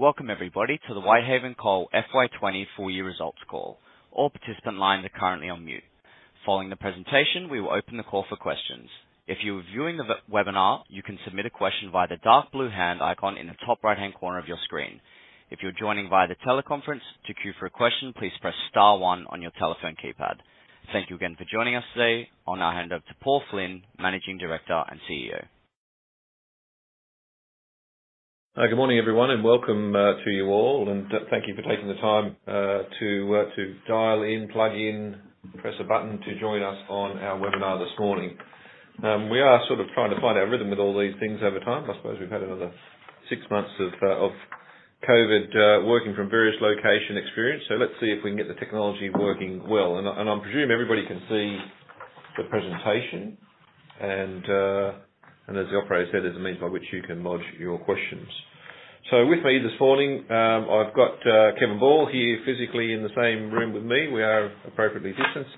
Welcome, everybody, to the Whitehaven Coal FY20 full-year results call. All participant lines are currently on mute. Following the presentation, we will open the call for questions. If you're viewing the webinar, you can submit a question via the dark blue hand icon in the top right-hand corner of your screen. If you're joining via the teleconference to queue for a question, please press star one on your telephone keypad. Thank you again for joining us today. Now, over to Paul Flynn, Managing Director and CEO. Good morning, everyone, and welcome to you all. And thank you for taking the time to dial in, plug in, press a button to join us on our webinar this morning. We are sort of trying to find our rhythm with all these things over time. I suppose we've had another six months of COVID working from various location experience. So let's see if we can get the technology working well. And I presume everybody can see the presentation. And as the operator said, there's a means by which you can lodge your questions. So with me this morning, I've got Kevin Ball here physically in the same room with me. We are appropriately distanced.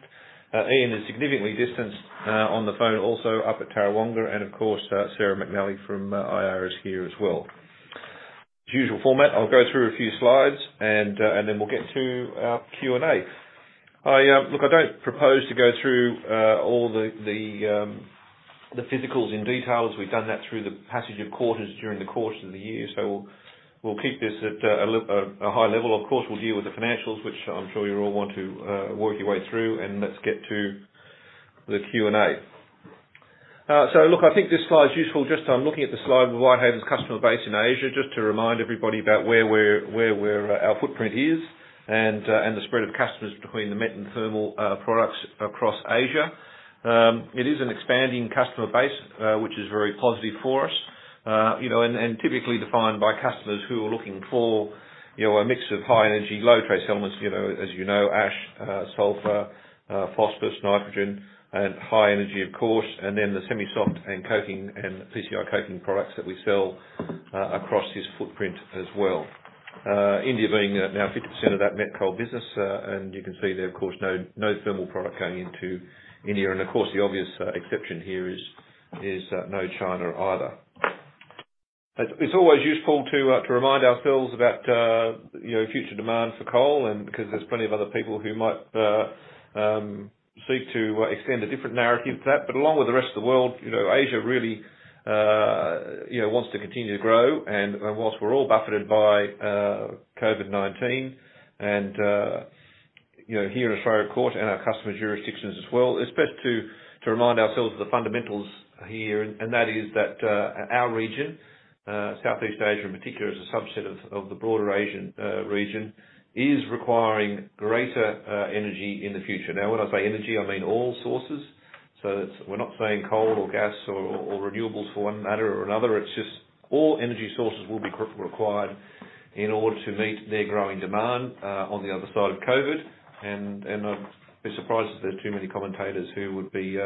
Ian is significantly distanced on the phone, also up at Tarrawonga. And of course, Sarah McNally from IR is here as well. As usual format, I'll go through a few slides, and then we'll get to our Q&A. Look, I don't propose to go through all the physicals in detail as we've done that through the passage of quarters during the course of the year. So we'll keep this at a high level. Of course, we'll deal with the financials, which I'm sure you all want to work your way through. And let's get to the Q&A. So look, I think this slide is useful just on looking at the slide with Whitehaven's customer base in Asia, just to remind everybody about where our footprint is and the spread of customers between the met and thermal products across Asia. It is an expanding customer base, which is very positive for us, and typically defined by customers who are looking for a mix of high-energy, low-trace elements, as you know, ash, sulfur, phosphorus, nitrogen, and high energy, of course, and then the semi-soft and PCI coking products that we sell across this footprint as well. India being now 50% of that met coal business. You can see there, of course, no thermal product going into India. Of course, the obvious exception here is no China either. It is always useful to remind ourselves about future demand for coal because there is plenty of other people who might seek to extend a different narrative to that. Along with the rest of the world, Asia really wants to continue to grow. While we're all buffered by COVID-19, and here in Australia of course, and our customer jurisdictions as well, it's best to remind ourselves of the fundamentals here. That is that our region, Southeast Asia in particular, is a subset of the broader Asian region, is requiring greater energy in the future. Now, when I say energy, I mean all sources. So we're not saying coal or gas or renewables for one matter or another. It's just all energy sources will be required in order to meet their growing demand on the other side of COVID. I'd be surprised if there's too many commentators who would be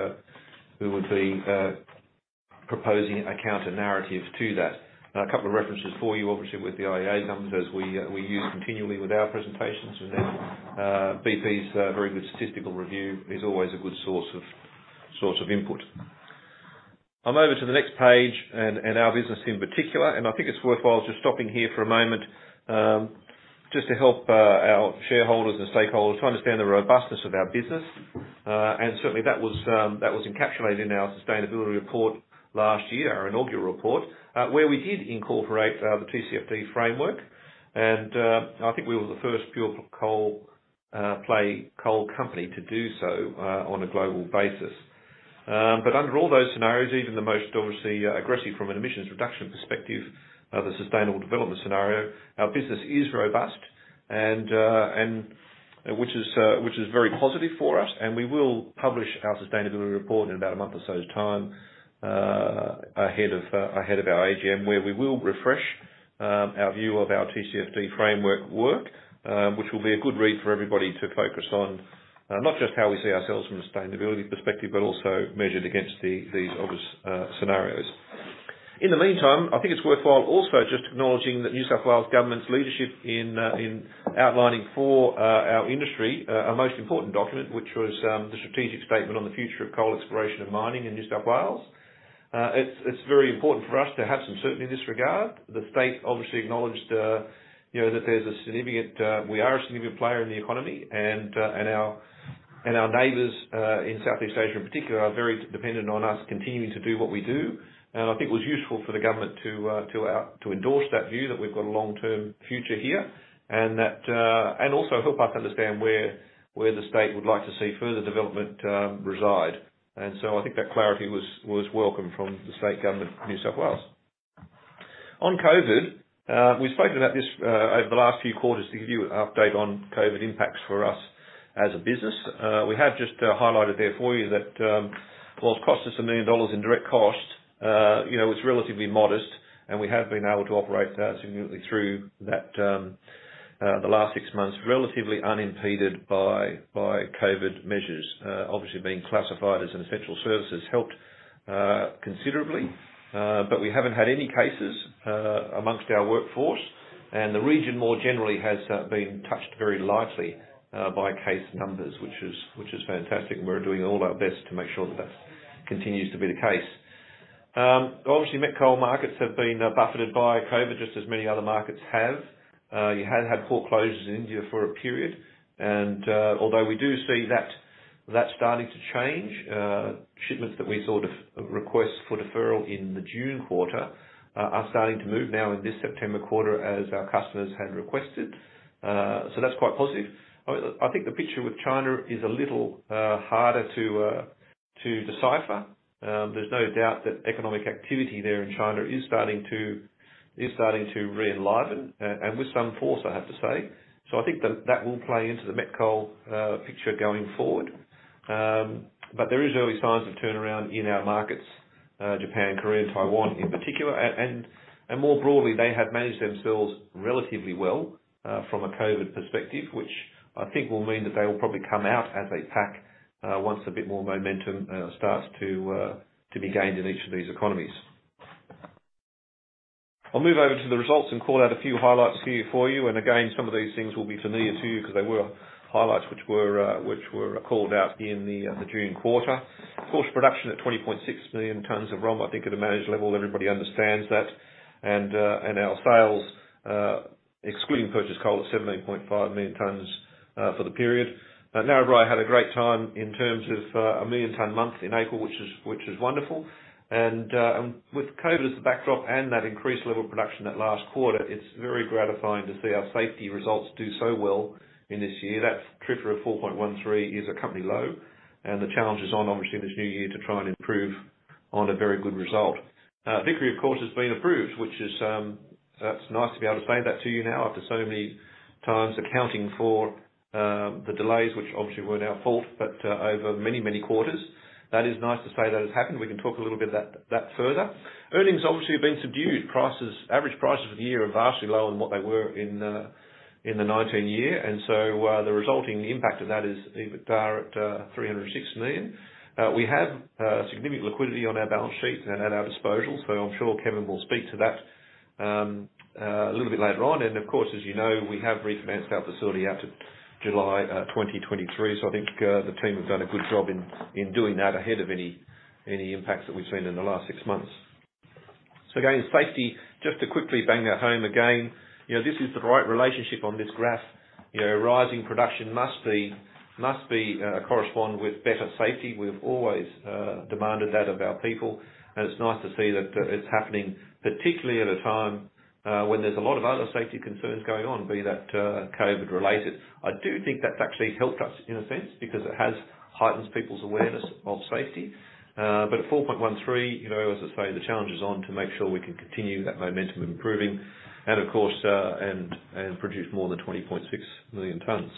proposing a counter narrative to that. A couple of references for you, obviously, with the IEA numbers as we use continually with our presentations. Then BP's very good statistical review is always a good source of input. I'm over to the next page and our business in particular. And I think it's worthwhile just stopping here for a moment just to help our shareholders and stakeholders to understand the robustness of our business. And certainly, that was encapsulated in our sustainability report last year, our inaugural report, where we did incorporate the TCFD framework. And I think we were the first pure coal play coal company to do so on a global basis. But under all those scenarios, even the most obviously aggressive from an emissions reduction perspective, the sustainable development scenario, our business is robust, which is very positive for us. We will publish our sustainability report in about a month or so's time ahead of our AGM, where we will refresh our view of our TCFD framework work, which will be a good read for everybody to focus on, not just how we see ourselves from a sustainability perspective, but also measured against these obvious scenarios. In the meantime, I think it's worthwhile also just acknowledging that New South Wales government's leadership in outlining for our industry a most important document, which was the strategic statement on the future of coal exploration and mining in New South Wales. It's very important for us to have some certainty in this regard. The state obviously acknowledged that we are a significant player in the economy. Our neighbors in Southeast Asia in particular are very dependent on us continuing to do what we do. I think it was useful for the government to endorse that view that we've got a long-term future here and also help us understand where the state would like to see further development reside. And so I think that clarity was welcome from the state government of New South Wales. On COVID, we spoke about this over the last few quarters to give you an update on COVID impacts for us as a business. We have just highlighted there for you that while it costs us 1 million dollars in direct cost, it's relatively modest. And we have been able to operate significantly through that the last six months, relatively unimpeded by COVID measures. Obviously being classified as an essential services helped considerably. But we haven't had any cases amongst our workforce. And the region more generally has been touched very lightly by case numbers, which is fantastic. We're doing all our best to make sure that that continues to be the case. Obviously, met coal markets have been buffered by COVID just as many other markets have. You had had port closures in India for a period. Although we do see that starting to change, shipments that we saw requests for deferral in the June quarter are starting to move now in this September quarter as our customers had requested. That's quite positive. I think the picture with China is a little harder to decipher. There's no doubt that economic activity there in China is starting to re-enliven, and with some force, I have to say. I think that will play into the met coal picture going forward. There are early signs of turnaround in our markets, Japan, Korea, and Taiwan in particular. More broadly, they have managed themselves relatively well from a COVID perspective, which I think will mean that they will probably come out as a pack once a bit more momentum starts to be gained in each of these economies. I'll move over to the results and call out a few highlights here for you. Again, some of these things will be familiar to you because they were highlights which were called out in the June quarter. Of course, production at 20.6 million tonnes of ROM, I think at a managed level, everybody understands that. Our sales, excluding purchase coal, at 17.5 million tons for the period. Now, everybody had a great time in terms of a million-ton month in April, which is wonderful. With COVID as the backdrop and that increased level of production that last quarter, it's very gratifying to see our safety results do so well in this year. That TRIF of 4.13 is a company low. The challenge is on, obviously, in this new year to try and improve on a very good result. Vickery, of course, has been approved, which is nice to be able to say that to you now after so many times accounting for the delays, which obviously weren't our fault, but over many, many quarters. That is nice to say that has happened. We can talk a little bit about that further. Earnings, obviously, have been subdued. Average prices for the year are vastly lower than what they were in the 2019 year. So the resulting impact of that is at 306 million. We have significant liquidity on our balance sheet and at our disposal. So I'm sure Kevin will speak to that a little bit later on. And of course, as you know, we have refinanced our facility out to July 2023. So I think the team have done a good job in doing that ahead of any impacts that we've seen in the last six months. So again, safety, just to quickly bang that home again, this is the right relationship on this graph. Rising production must correspond with better safety. We've always demanded that of our people. And it's nice to see that it's happening, particularly at a time when there's a lot of other safety concerns going on, be that COVID-related. I do think that's actually helped us in a sense because it has heightened people's awareness of safety. But at 4.13, as I say, the challenge is on to make sure we can continue that momentum improving and, of course, produce more than 20.6 million tons.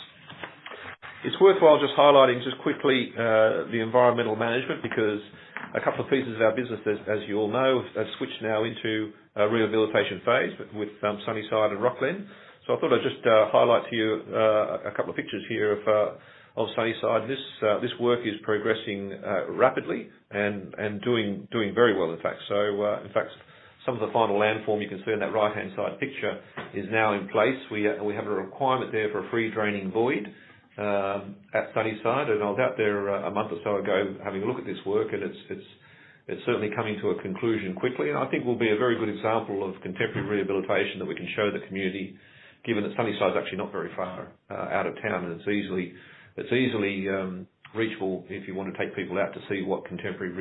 It's worthwhile just highlighting just quickly the environmental management because a couple of pieces of our business, as you all know, have switched now into a rehabilitation phase with Sunnyside and Rocglen. So I thought I'd just highlight to you a couple of pictures here of Sunnyside. This work is progressing rapidly and doing very well, in fact. So in fact, some of the final landform you can see in that right-hand side picture is now in place. We have a requirement there for a free draining void at Sunnyside. And I was out there a month or so ago having a look at this work, and it's certainly coming to a conclusion quickly. I think we'll be a very good example of contemporary rehabilitation that we can show the community, given that Sunnyside is actually not very far out of town. And it's easily reachable if you want to take people out to see what contemporary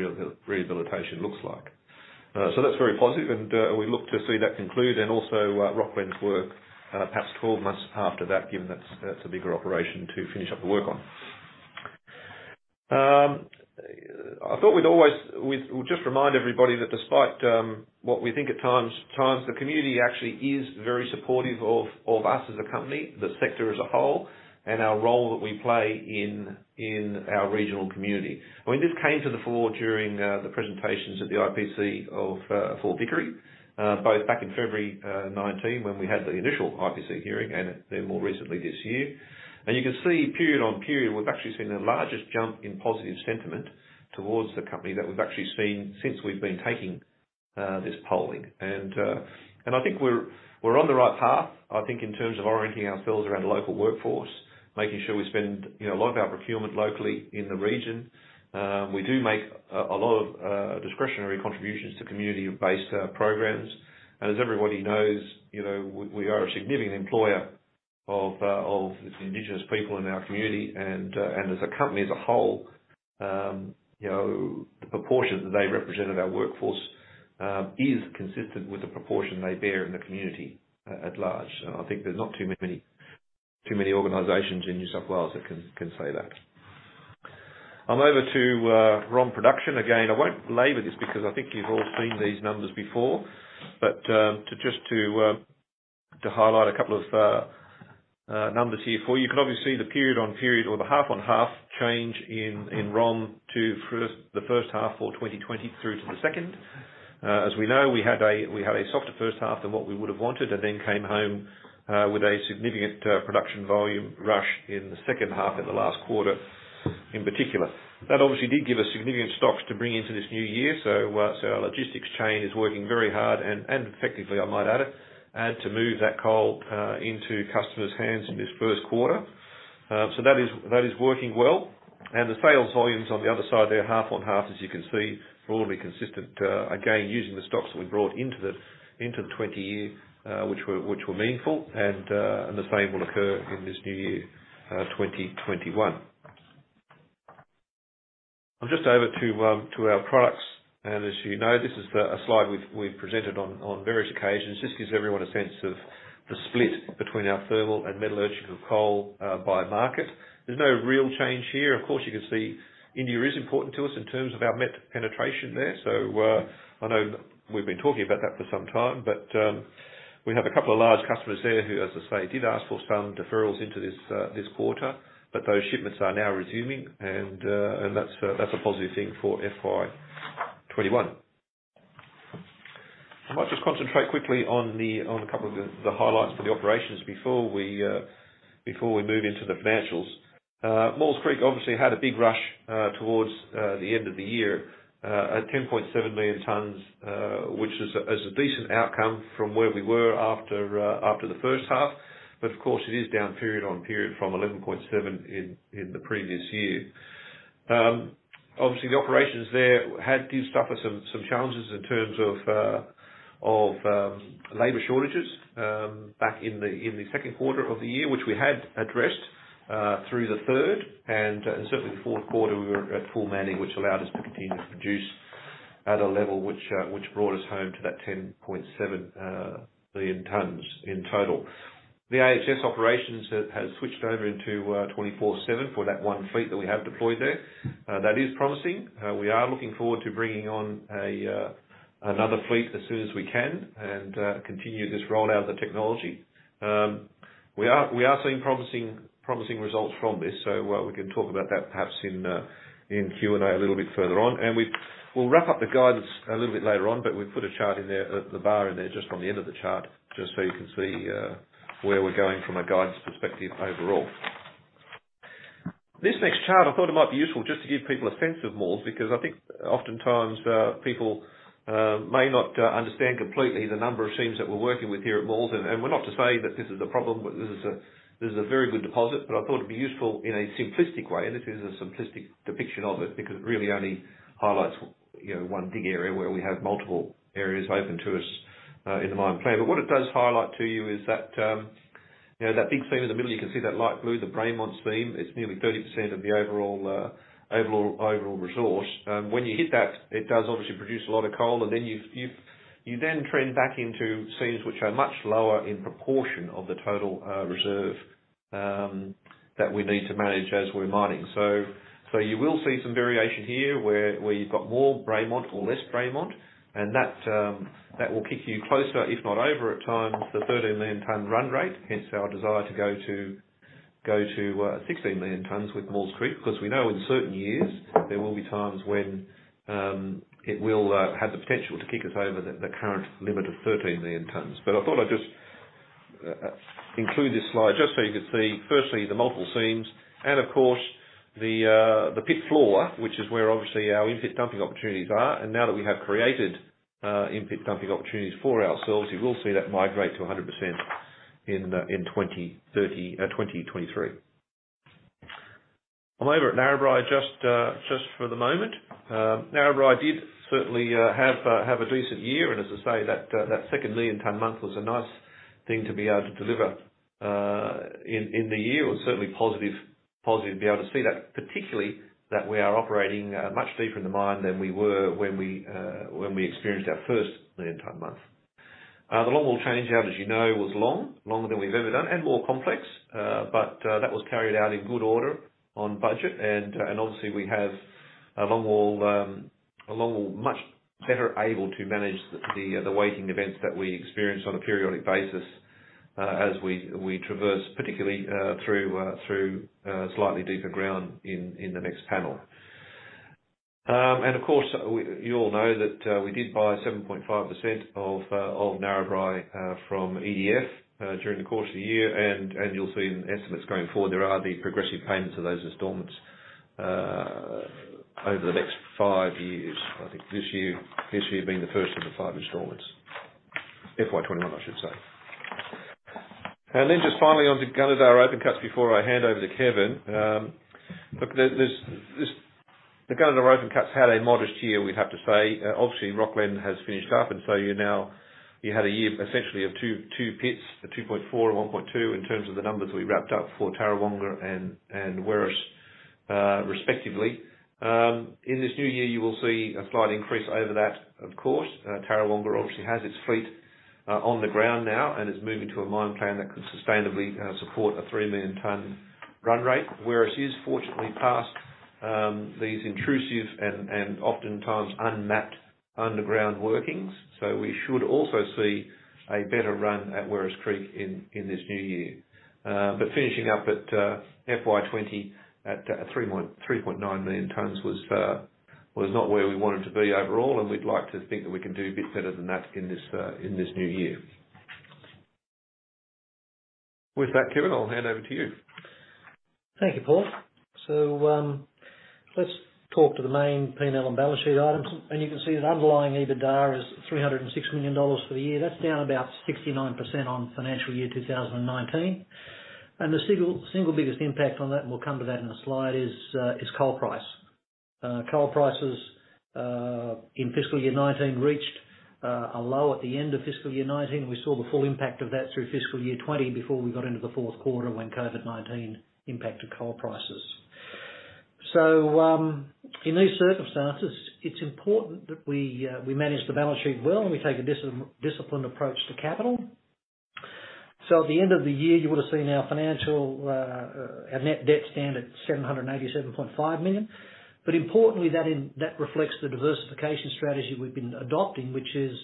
rehabilitation looks like. So that's very positive. And we look to see that conclude and also Rocglen's work, perhaps 12 months after that, given that's a bigger operation to finish up the work on. I thought we'd always just remind everybody that despite what we think at times, the community actually is very supportive of us as a company, the sector as a whole, and our role that we play in our regional community. I mean, this came to the fore during the presentations at the IPC of Vickery, both back in February 2019 when we had the initial IPC hearing and then more recently this year. You can see period on period, we've actually seen the largest jump in positive sentiment towards the company that we've actually seen since we've been taking this polling. I think we're on the right path, I think, in terms of orienting ourselves around local workforce, making sure we spend a lot of our procurement locally in the region. We do make a lot of discretionary contributions to community-based programs. As everybody knows, we are a significant employer of indigenous people in our community. As a company as a whole, the proportion that they represent of our workforce is consistent with the proportion they bear in the community at large. I think there's not too many organizations in New South Wales that can say that. I'm over to ROM production. Again, I won't labor this because I think you've all seen these numbers before. But just to highlight a couple of numbers here for you, you can obviously see the period on period or the half on half change in ROM to the first half for 2020 through to the second. As we know, we had a softer first half than what we would have wanted and then came home with a significant production volume rush in the second half in the last quarter in particular. That obviously did give us significant stocks to bring into this new year. Our logistics chain is working very hard and effectively, I might add, to move that coal into customers' hands in this first quarter. That is working well. The sales volumes on the other side, they're half on half, as you can see, broadly consistent, again, using the stocks that we brought into the 20 year, which were meaningful. The same will occur in this new year, 2021. I'm just over to our products. As you know, this is a slide we've presented on various occasions. This gives everyone a sense of the split between our thermal and metallurgical coal by market. There's no real change here. Of course, you can see India is important to us in terms of our met penetration there. So I know we've been talking about that for some time. But we have a couple of large customers there who, as I say, did ask for some deferrals into this quarter. But those shipments are now resuming. And that's a positive thing for FY21. I might just concentrate quickly on a couple of the highlights for the operations before we move into the financials. Maules Creek obviously had a big rush towards the end of the year, at 10.7 million tons, which is a decent outcome from where we were after the first half. But of course, it is down period on period from 11.7 in the previous year. Obviously, the operations there did suffer some challenges in terms of labor shortages back in the second quarter of the year, which we had addressed through the third. And certainly, the fourth quarter, we were at full manning, which allowed us to continue to produce at a level which brought us home to that 10.7 million tons in total. The AHS operations have switched over into 24/7 for that one fleet that we have deployed there. That is promising. We are looking forward to bringing on another fleet as soon as we can and continue this rollout of the technology. We are seeing promising results from this, so we can talk about that perhaps in Q&A a little bit further on, and we'll wrap up the guidance a little bit later on, but we've put a chart in there, the bar in there, just on the end of the chart, just so you can see where we're going from a guidance perspective overall. This next chart, I thought it might be useful just to give people a sense of Maules because I think oftentimes people may not understand completely the number of teams that we're working with here at Maules. We're not to say that this is a problem. This is a very good deposit, but I thought it'd be useful in a simplistic way. This is a simplistic depiction of it because it really only highlights one big area where we have multiple areas open to us in the mine plan. But what it does highlight to you is that big seam in the middle, you can see that light blue, the Braymont seam. It's nearly 30% of the overall resourcei. When you hit that, it does obviously produce a lot of coal. And then you then trend back into seams which are much lower in proportion of the total reserve that we need to manage as we're mining. So you will see some variation here where you've got more Braymont or less Braymont. That will kick you closer, if not over, at times, the 13-million-ton run rate, hence our desire to go to 16 million tons with Maules Creek because we know in certain years, there will be times when it will have the potential to kick us over the current limit of 13 million tons. But I thought I'd just include this slide just so you could see, firstly, the multiple seams. And of course, the pit floor, which is where obviously our in-pit dumping opportunities are. And now that we have created in-pit dumping opportunities for ourselves, you will see that migrate to 100% in 2023. I'm over at Narrabri just for the moment. Narrabri did certainly have a decent year. And as I say, that second million-ton month was a nice thing to be able to deliver in the year. It was certainly positive to be able to see that, particularly that we are operating much deeper in the mine than we were when we experienced our first million ton month. The longwall changeout, as you know, was long, longer than we've ever done, and more complex. But that was carried out in good order on budget. And obviously, we have a longwall, much better able to manage the weighting events that we experience on a periodic basis as we traverse, particularly through slightly deeper ground in the next panel. And of course, you all know that we did buy 7.5% of Narrabri from EDF during the course of the year. And you'll see in estimates going forward, there are the progressive payments of those installments over the next five years. I think this year being the first of the five installments, FY21, I should say. Then just finally onto Gunnedah Open Cuts before I hand over to Kevin. Look, the Gunnedah Open Cuts had a modest year, we'd have to say. Obviously, Rocglen has finished up. So you had a year essentially of two pits, a 2.4 and 1.2, in terms of the numbers we wrapped up for Tarrawonga and Werris, respectively. In this new year, you will see a slight increase over that, of course. Tarrawonga obviously has its fleet on the ground now and is moving to a mine plan that can sustainably support a 3 million ton run rate. Werris is fortunately past these intrusive and oftentimes unmapped underground workings. So we should also see a better run at Werris Creek in this new year. But finishing up at FY20 at 3.9 million tons was not where we wanted to be overall. We'd like to think that we can do a bit better than that in this new year. With that, Kevin, I'll hand over to you. Thank you, Paul. Let's talk to the main P&L and balance sheet items. You can see the underlying EBITDA is 306 million dollars for the year. That's down about 69% on financial year 2019. The single biggest impact on that, and we'll come to that in a slide, is coal price. Coal prices in fiscal year 2019 reached a low at the end of fiscal year 2019. We saw the full impact of that through fiscal year 2020 before we got into the fourth quarter when COVID-19 impacted coal prices. In these circumstances, it's important that we manage the balance sheet well and we take a disciplined approach to capital. So at the end of the year, you would have seen our net debt stand at 787.5 million. But importantly, that reflects the diversification strategy we've been adopting, which is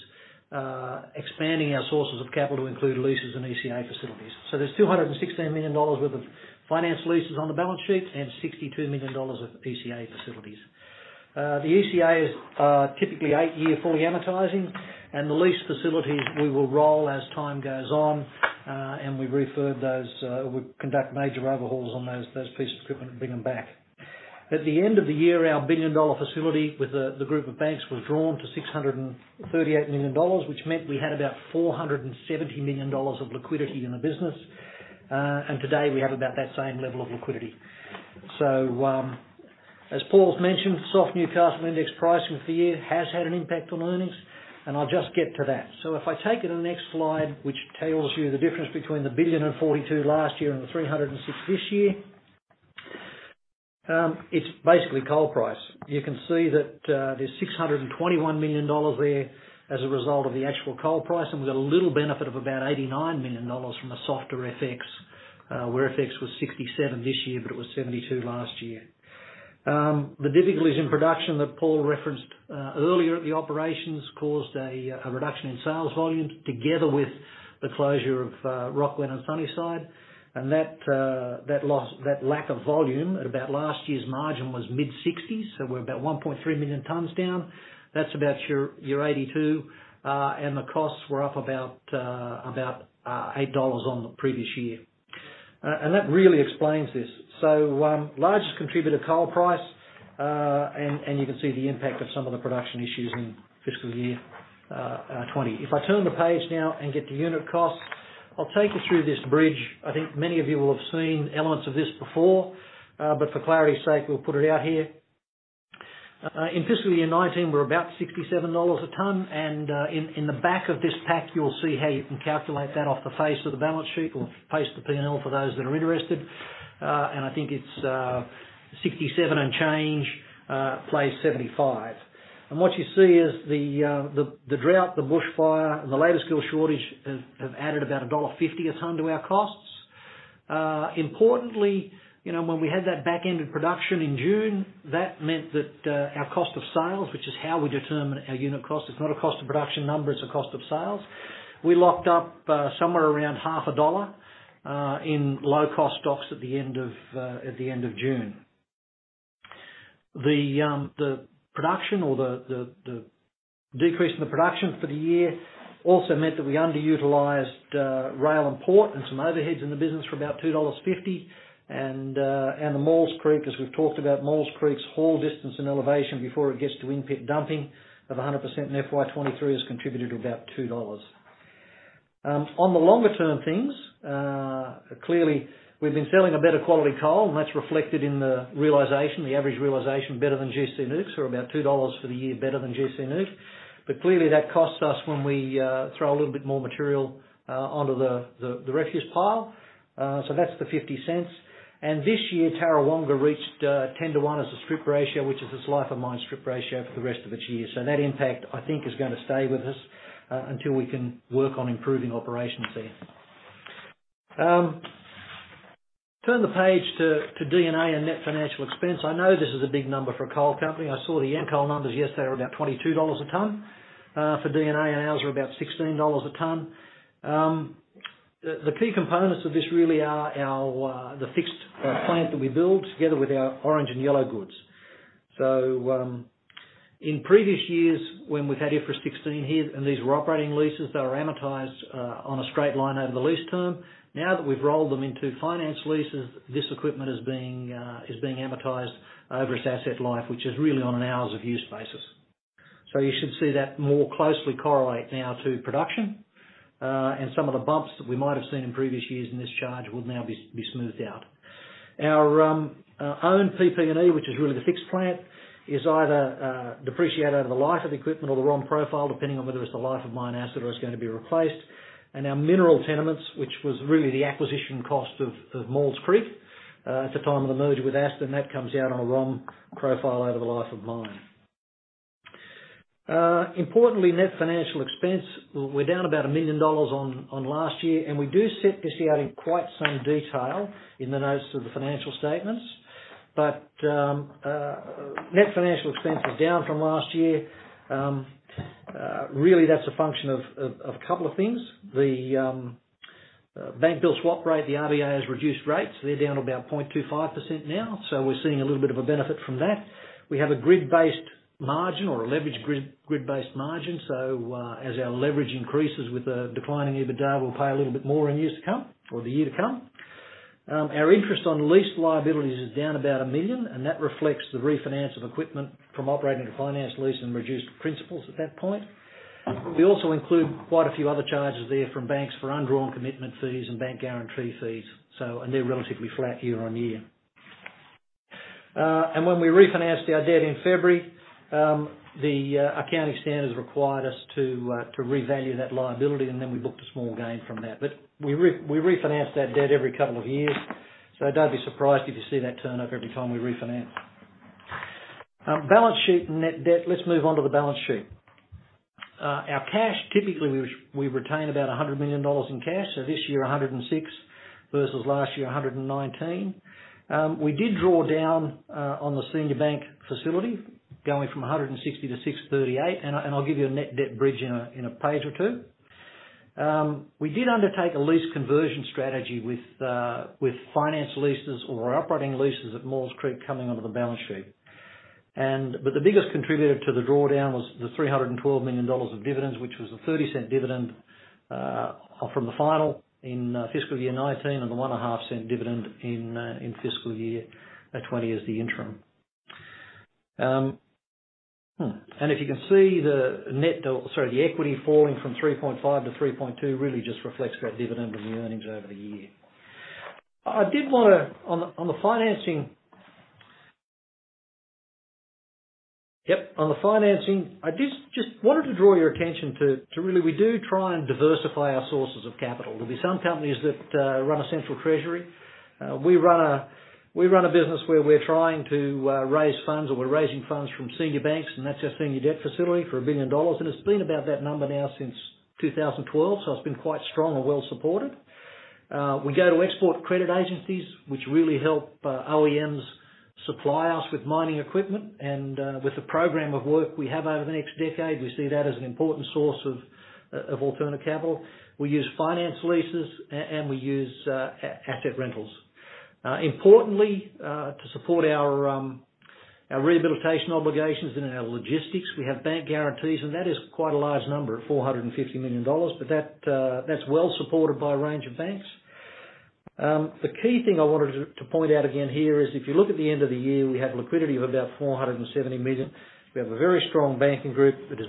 expanding our sources of capital to include leases and ECA facilities. So there's 216 million dollars worth of financed leases on the balance sheet and 62 million dollars of ECA facilities. The ECA is typically eight-year fully amortizing. And the lease facilities, we will roll as time goes on. And we've referred those; we conduct major overhauls on those pieces of equipment and bring them back. At the end of the year, our billion-dollar facility with the group of banks was drawn to 638 million dollars, which meant we had about 470 million dollars of liquidity in the business. And today, we have about that same level of liquidity. As Paul's mentioned, soft Newcastle index pricing for the year has had an impact on earnings. I'll just get to that. If I take it to the next slide, which tells you the difference between the 1.042 billion last year and the 306 this year, it's basically coal price. You can see that there's 621 million dollars there as a result of the actual coal price. We've got a little benefit of about 89 million dollars from a softer FX, where FX was 67 this year, but it was 72 last year. The difficulties in production that Paul referenced earlier at the operations caused a reduction in sales volume together with the closure of Rocglen and Sunnyside. That lack of volume at about last year's margin was mid-60s. We're about 1.3 million tons down. That's about 82 million. The costs were up about 8 dollars on the previous year. That really explains this. Largest contributor: coal price. You can see the impact of some of the production issues in fiscal year 2020. If I turn the page now and get the unit costs, I'll take you through this bridge. I think many of you will have seen elements of this before. For clarity's sake, we'll put it out here. In fiscal year 2019, we're about 67 dollars a ton. In the back of this pack, you'll see how you can calculate that off the face of the balance sheet. We'll paste the P&L for those that are interested. I think it's 67 and change plays 75. What you see is the drought, the bushfire, and the labor skill shortage have added about dollar 1.50 a ton to our costs. Importantly, when we had that back-ended production in June, that meant that our cost of sales, which is how we determine our unit cost, it's not a cost of production number, it's a cost of sales. We locked up somewhere around $0.50 in low-cost stocks at the end of June. The production or the decrease in the production for the year also meant that we underutilized rail and port and some overheads in the business for about $2.50. And the Maules Creek, as we've talked about, Maules Creek's haul distance and elevation before it gets to in-pit dumping of 100% in FY23 has contributed to about $2. On the longer-term things, clearly, we've been selling a better quality coal. And that's reflected in the realization, the average realization, better than GC Nukes. We're about $2 for the year, better than GC Nuke. But clearly, that costs us when we throw a little bit more material onto the refuse pile. So that's the 0.50. And this year, Tarrawonga reached 10 to 1 as a strip ratio, which is a life-of-mine strip ratio for the rest of its life. So that impact, I think, is going to stay with us until we can work on improving operations there. Turn the page to D&A and net financial expense. I know this is a big number for a coal company. I saw the Anglo Coal numbers yesterday were about $22 a ton for D&A. And ours were about $16 a ton. The key components of this really are the fixed plant that we build together with our orange and yellow goods. So in previous years, when we've had IFRS 16 here, and these were operating leases, they were amortized on a straight line over the lease term. Now that we've rolled them into financed leases, this equipment is being amortized over its asset life, which is really on an hours-of-use basis. So you should see that more closely correlate now to production. And some of the bumps that we might have seen in previous years in this charge will now be smoothed out. Our own PP&E, which is really the fixed plant, is either depreciated over the life of the equipment or the ROM profile, depending on whether it's the life of mine after it's going to be replaced. Our mineral tenements, which was really the acquisition cost of Maules Creek at the time of the merger with Aston, that comes out on a ROM profile over the life of mine. Importantly, net financial expense, we're down about 1 million dollars on last year. We do set this out in quite some detail in the notes of the financial statements. Net financial expense is down from last year. Really, that's a function of a couple of things. The Bank Bill Swap Rate, the RBA has reduced rates. They're down about 0.25% now. We're seeing a little bit of a benefit from that. We have a grid-based margin or a leveraged grid-based margin. As our leverage increases with the declining EBITDA, we'll pay a little bit more in years to come or the year to come. Our interest on lease liabilities is down about 1 million. That reflects the refinance of equipment from operating to financed lease and reduced principals at that point. We also include quite a few other charges there from banks for undrawn commitment fees and bank guarantee fees. And they're relatively flat year on year. And when we refinanced our debt in February, the accounting standards required us to revalue that liability. And then we booked a small gain from that. But we refinanced that debt every couple of years. So don't be surprised if you see that turn up every time we refinance. Balance sheet and net debt, let's move on to the balance sheet. Our cash, typically, we retain about 100 million dollars in cash. So this year, 106 versus last year, 119. We did draw down on the senior bank facility going from 160 to 638. And I'll give you a net debt bridge in a page or two. We did undertake a lease conversion strategy with financed leases or operating leases at Maules Creek coming onto the balance sheet, but the biggest contributor to the drawdown was the 312 million dollars of dividends, which was an 0.30 dividend from the final in fiscal year 2019 and the 0.015 dividend in fiscal year 2020 as the interim, and if you can see the net or sorry, the equity falling from 3.5 to 3.2 really just reflects that dividend and the earnings over the year. I did want to, on the financing yep, on the financing, I just wanted to draw your attention to really we do try and diversify our sources of capital. There'll be some companies that run a central treasury. We run a business where we're trying to raise funds or we're raising funds from senior banks, and that's our senior debt facility for 1 billion dollars. It's been about that number now since 2012. It's been quite strong and well supported. We go to export credit agencies, which really help OEMs supply us with mining equipment. With the program of work we have over the next decade, we see that as an important source of alternative capital. We use financed leases. We use asset rentals. Importantly, to support our rehabilitation obligations and our logistics, we have bank guarantees. That is quite a large number at 450 million dollars. That's well supported by a range of banks. The key thing I wanted to point out again here is if you look at the end of the year, we have liquidity of about 470 million. We have a very strong banking group that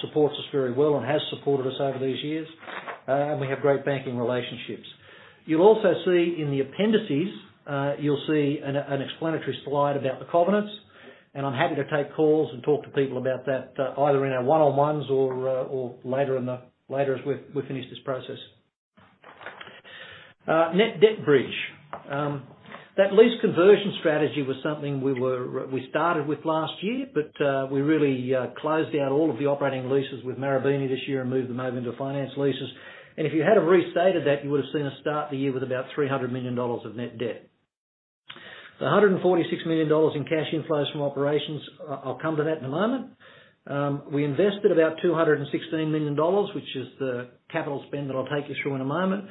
supports us very well and has supported us over these years. We have great banking relationships. You'll also see in the appendices. You'll see an explanatory slide about the covenants. I'm happy to take calls and talk to people about that either in our one-on-ones or later as we finish this process. Net debt bridge. That lease conversion strategy was something we started with last year. We really closed out all of the operating leases with Marubeni this year and moved them over into financed leases. If you hadn't restated that, you would have seen us start the year with about 300 million dollars of net debt. The 146 million dollars in cash inflows from operations, I'll come to that in a moment. We invested about 216 million dollars, which is the capital spend that I'll take you through in a moment.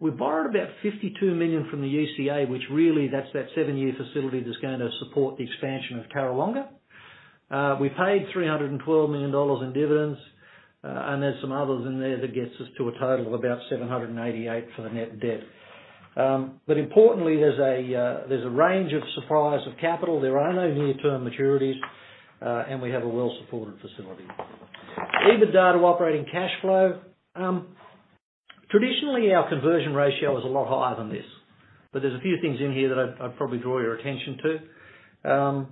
We borrowed about 52 million from the ECA, which really that's that seven-year facility that's going to support the expansion of Tarrawonga. We paid 312 million dollars in dividends. And there's some others in there that gets us to a total of about 788 for the net debt. But importantly, there's a range of supplies of capital. There are no near-term maturities. And we have a well-supported facility. EBITDA to operating cash flow. Traditionally, our conversion ratio is a lot higher than this. But there's a few things in here that I'd probably draw your attention to.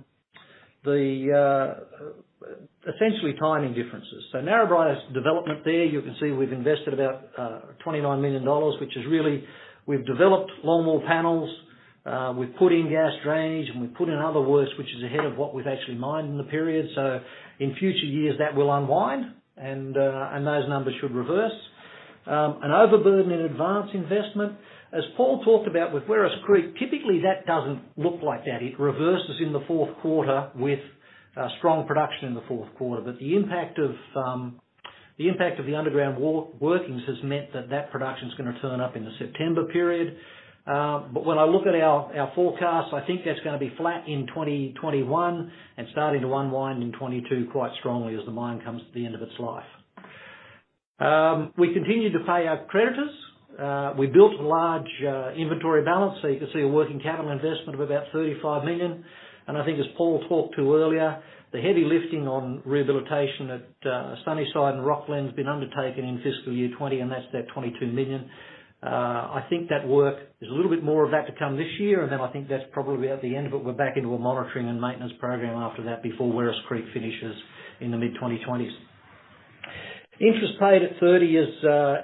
Essentially, timing differences. So Narrabri's development there, you can see we've invested about $29 million, which is really we've developed longwall panels. We've put in gas drainage. And we've put in other works, which is ahead of what we've actually mined in the period. So in future years, that will unwind. And those numbers should reverse. An overburden in advance investment. As Paul talked about with Werris Creek, typically, that doesn't look like that. It reverses in the fourth quarter with strong production in the fourth quarter, but the impact of the underground workings has meant that that production's going to turn up in the September period, but when I look at our forecasts, I think that's going to be flat in 2021 and starting to unwind in 2022 quite strongly as the mine comes to the end of its life. We continue to pay our creditors. We built a large inventory balance, so you can see a working capital investment of about 35 million. I think, as Paul talked to earlier, the heavy lifting on rehabilitation at Sunnyside and Rocglen's been undertaken in fiscal year 2020. That's that 22 million. I think that work there's a little bit more of that to come this year. And then I think that's probably at the end of it. We're back into a monitoring and maintenance program after that before Werris Creek finishes in the mid-2020s. Interest paid at 30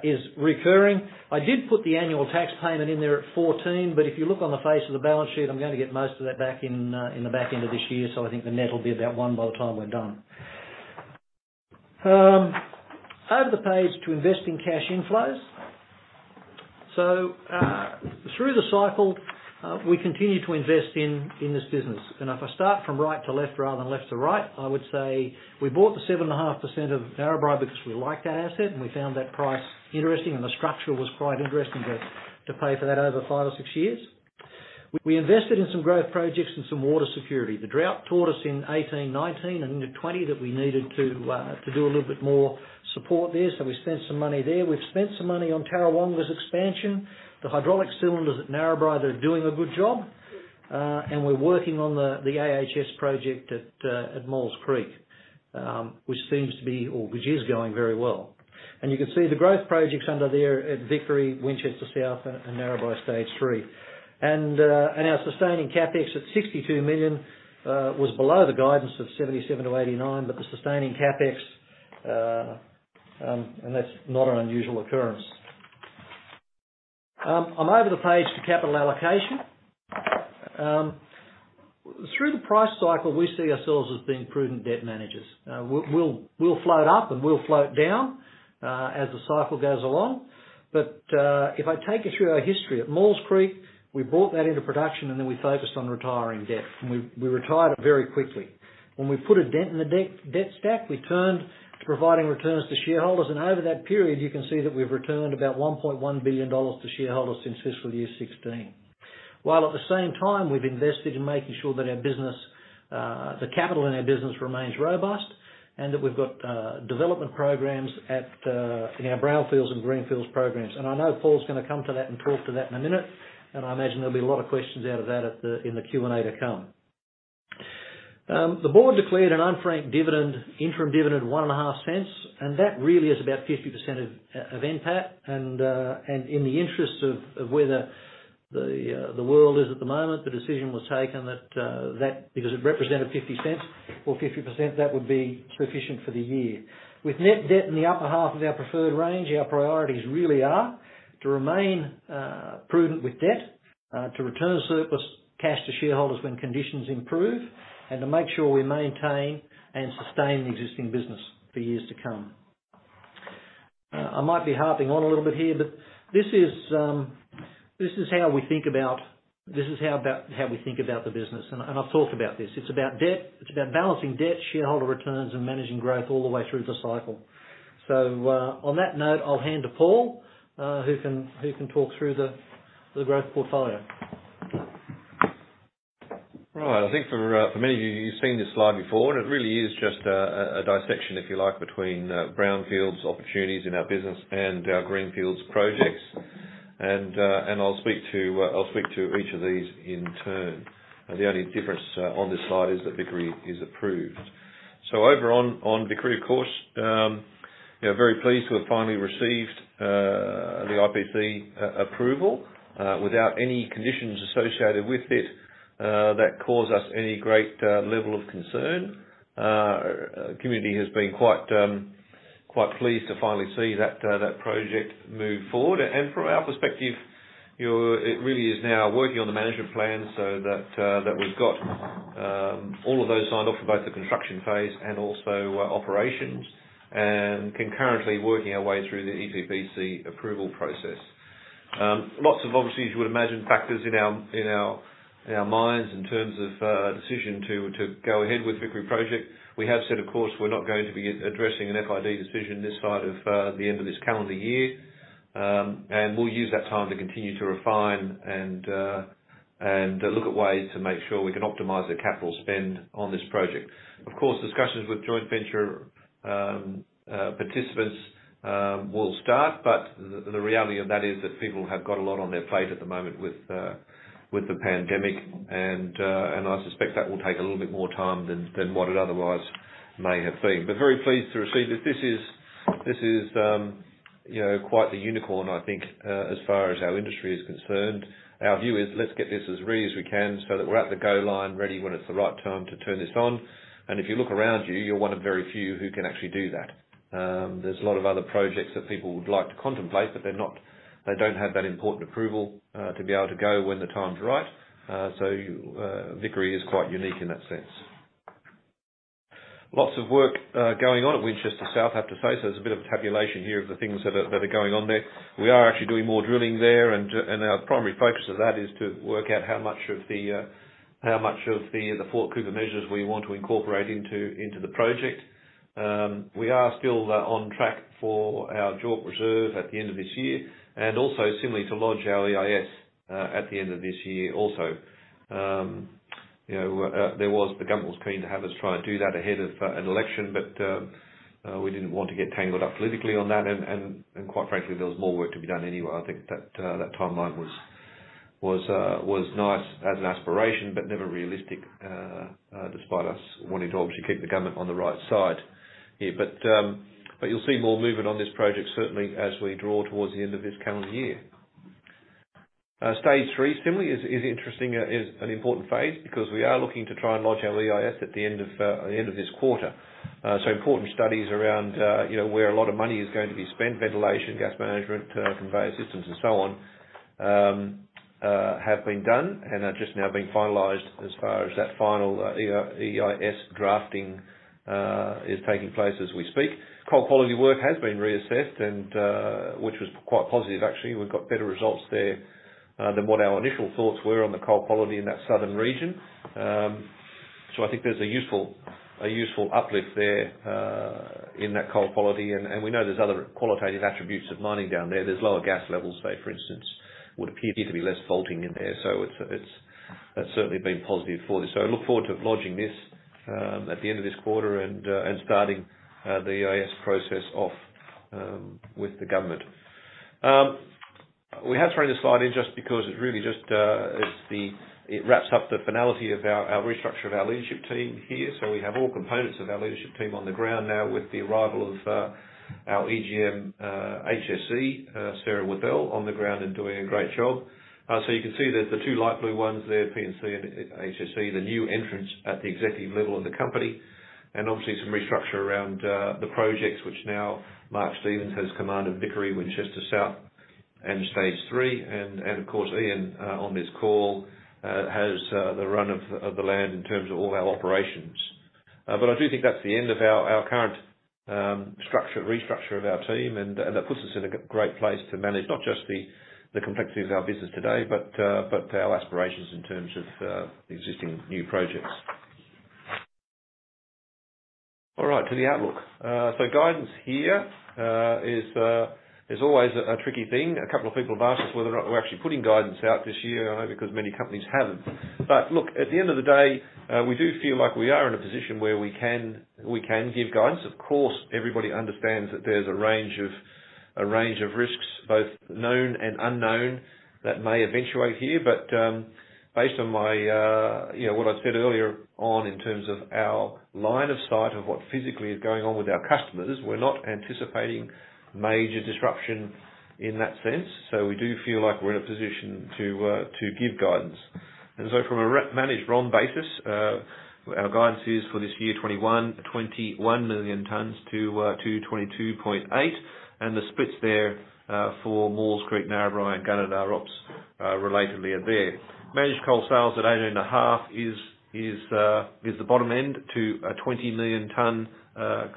is recurring. I did put the annual tax payment in there at 14. But if you look on the face of the balance sheet, I'm going to get most of that back in the back end of this year. So I think the net'll be about 1 by the time we're done. Over the page to investing cash inflows. So through the cycle, we continue to invest in this business. And if I start from right to left rather than left to right, I would say we bought the 7.5% of Narrabri because we liked that asset. And we found that price interesting. And the structure was quite interesting to pay for that over five or six years. We invested in some growth projects and some water security. The drought taught us in 2018, 2019, and into 2020 that we needed to do a little bit more support there. So we spent some money there. We've spent some money on Tarrawonga's expansion. The hydraulic cylinders at Narrabri that are doing a good job. And we're working on the AHS project at Maules Creek, which seems to be or which is going very well. And you can see the growth projects under there at Vickery, Winchester South, and Narrabri Stage 3. And our sustaining CapEx at 62 million was below the guidance of 77-89 million. But the sustaining CapEx and that's not an unusual occurrence. I'm over the page to capital allocation. Through the price cycle, we see ourselves as being prudent debt managers. We'll float up and we'll float down as the cycle goes along. If I take you through our history at Maules Creek, we brought that into production. Then we focused on retiring debt. We retired it very quickly. When we put a dent in the debt stack, we turned to providing returns to shareholders. Over that period, you can see that we've returned about 1.1 billion dollars to shareholders since fiscal year 2016. While at the same time, we've invested in making sure that our business the capital in our business remains robust and that we've got development programs in our brownfields and greenfields programs. I know Paul's going to come to that and talk to that in a minute. I imagine there'll be a lot of questions out of that in the Q&A to come. The board declared an unfranked interim dividend of AUD 0.015. That really is about 50% of NPAT. In the interests of where the world is at the moment, the decision was taken that because it represented 0.50 or 50%, that would be sufficient for the year. With net debt in the upper half of our preferred range, our priorities really are to remain prudent with debt, to return surplus cash to shareholders when conditions improve, and to make sure we maintain and sustain the existing business for years to come. I might be harping on a little bit here. But this is how we think about the business. I've talked about this. It's about debt. It's about balancing debt, shareholder returns, and managing growth all the way through the cycle. On that note, I'll hand to Paul, who can talk through the growth portfolio. Right. I think for many of you, you've seen this slide before. It really is just a dissection, if you like, between brownfields opportunities in our business, and our greenfields projects. I'll speak to each of these in turn. The only difference on this slide is that Vickery is approved. Over on Vickery, of course, we're very pleased we've finally received the IPC approval without any conditions associated with it that cause us any great level of concern. The community has been quite pleased to finally see that project move forward. From our perspective, it really is now working on the management plan so that we've got all of those signed off for both the construction phase and also operations and concurrently working our way through the EPBC approval process. Lots of, obviously, as you would imagine, factors in our minds in terms of decision to go ahead with Vickery Project. We have said, of course, we're not going to be addressing an FID decision this side of the end of this calendar year. And we'll use that time to continue to refine and look at ways to make sure we can optimize the capital spend on this project. Of course, discussions with joint venture participants will start. But the reality of that is that people have got a lot on their plate at the moment with the pandemic. And I suspect that will take a little bit more time than what it otherwise may have been. But very pleased to receive this. This is quite the unicorn, I think, as far as our industry is concerned. Our view is, let's get this as ready as we can so that we're at the go line, ready when it's the right time to turn this on. If you look around you, you're one of very few who can actually do that. There's a lot of other projects that people would like to contemplate. But they don't have that important approval to be able to go when the time's right. Vickery is quite unique in that sense. Lots of work going on at Winchester South, have to say. There's a bit of tabulation here of the things that are going on there. We are actually doing more drilling there. Our primary focus of that is to work out how much of the Fort Cooper measures we want to incorporate into the project. We are still on track for our JORC reserve at the end of this year. Also, similarly, to lodge our EIS at the end of this year also. The government was keen to have us try and do that ahead of an election. But we didn't want to get tangled up politically on that. And quite frankly, there was more work to be done anyway. I think that timeline was nice as an aspiration but never realistic despite us wanting to obviously keep the government on the right side here. But you'll see more movement on this project, certainly, as we draw towards the end of this calendar year. Stage 3, similarly, is interesting and an important phase because we are looking to try and lodge our EIS at the end of this quarter. So important studies around where a lot of money is going to be spent, ventilation, gas management, conveyor systems, and so on have been done and are just now being finalized as far as that final EIS drafting is taking place as we speak. Coal quality work has been reassessed, which was quite positive, actually. We've got better results there than what our initial thoughts were on the coal quality in that southern region. So I think there's a useful uplift there in that coal quality. And we know there's other qualitative attributes of mining down there. There's lower gas levels, say, for instance, would appear to be less faulting in there. So it's certainly been positive for this. So I look forward to lodging this at the end of this quarter and starting the EIS process off with the government. We have thrown this slide in just because it's really just it wraps up the finality of our restructure of our leadership team here. We have all components of our leadership team on the ground now with the arrival of our EGM HSE, Sarah Withell, on the ground and doing a great job. You can see the two light blue ones there, P&C and HSE, the new entrance at the executive level of the company. Obviously, some restructure around the projects, which now Mark Stevens has command of Vickery, Winchester South, and Stage 3. Of course, Ian on this call has the run of the land in terms of all our operations. I do think that's the end of our current restructure of our team. That puts us in a great place to manage not just the complexity of our business today but our aspirations in terms of existing new projects. All right. To the outlook. Guidance here is always a tricky thing. A couple of people have asked us whether or not we're actually putting guidance out this year, I know, because many companies haven't. Look, at the end of the day, we do feel like we are in a position where we can give guidance. Of course, everybody understands that there's a range of risks, both known and unknown, that may eventuate here. Based on what I've said earlier on in terms of our line of sight of what physically is going on with our customers, we're not anticipating major disruption in that sense. We do feel like we're in a position to give guidance. And so from a managed ROM basis, our guidance is for this year, 2021, 21 million tons to 22.8 million tons. And the splits there for Maules Creek, Narrabri, and Gunnedah ops relatedly are there. Managed coal sales at 8.5 million tons is the bottom end to a 20 million ton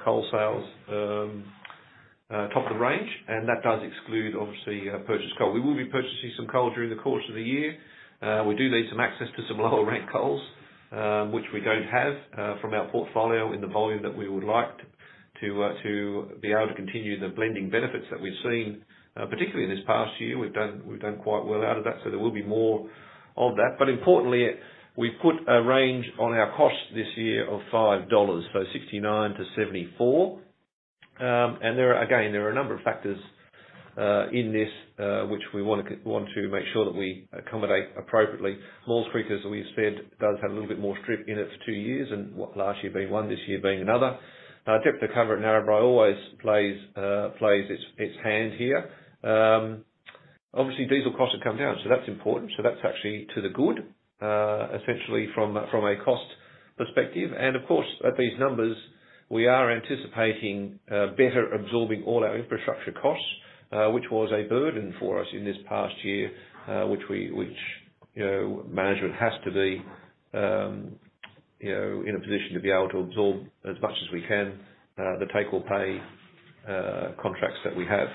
coal sales top of the range. And that does exclude, obviously, purchased coal. We will be purchasing some coal during the course of the year. We do need some access to some lower-ranked coals, which we don't have from our portfolio in the volume that we would like to be able to continue the blending benefits that we've seen, particularly in this past year. We've done quite well out of that. So there will be more of that. But importantly, we've put a range on our costs this year of $5, so $69-$74. And again, there are a number of factors in this which we want to make sure that we accommodate appropriately. Maules Creek, as we've said, does have a little bit more strip in it for two years and last year being one, this year being another. Depth of cover at Narrabri always plays its hand here. Obviously, diesel costs have come down. So that's important. So that's actually to the good, essentially, from a cost perspective. And of course, at these numbers, we are anticipating better absorbing all our infrastructure costs, which was a burden for us in this past year, which management has to be in a position to be able to absorb as much as we can the take-or-pay contracts that we have.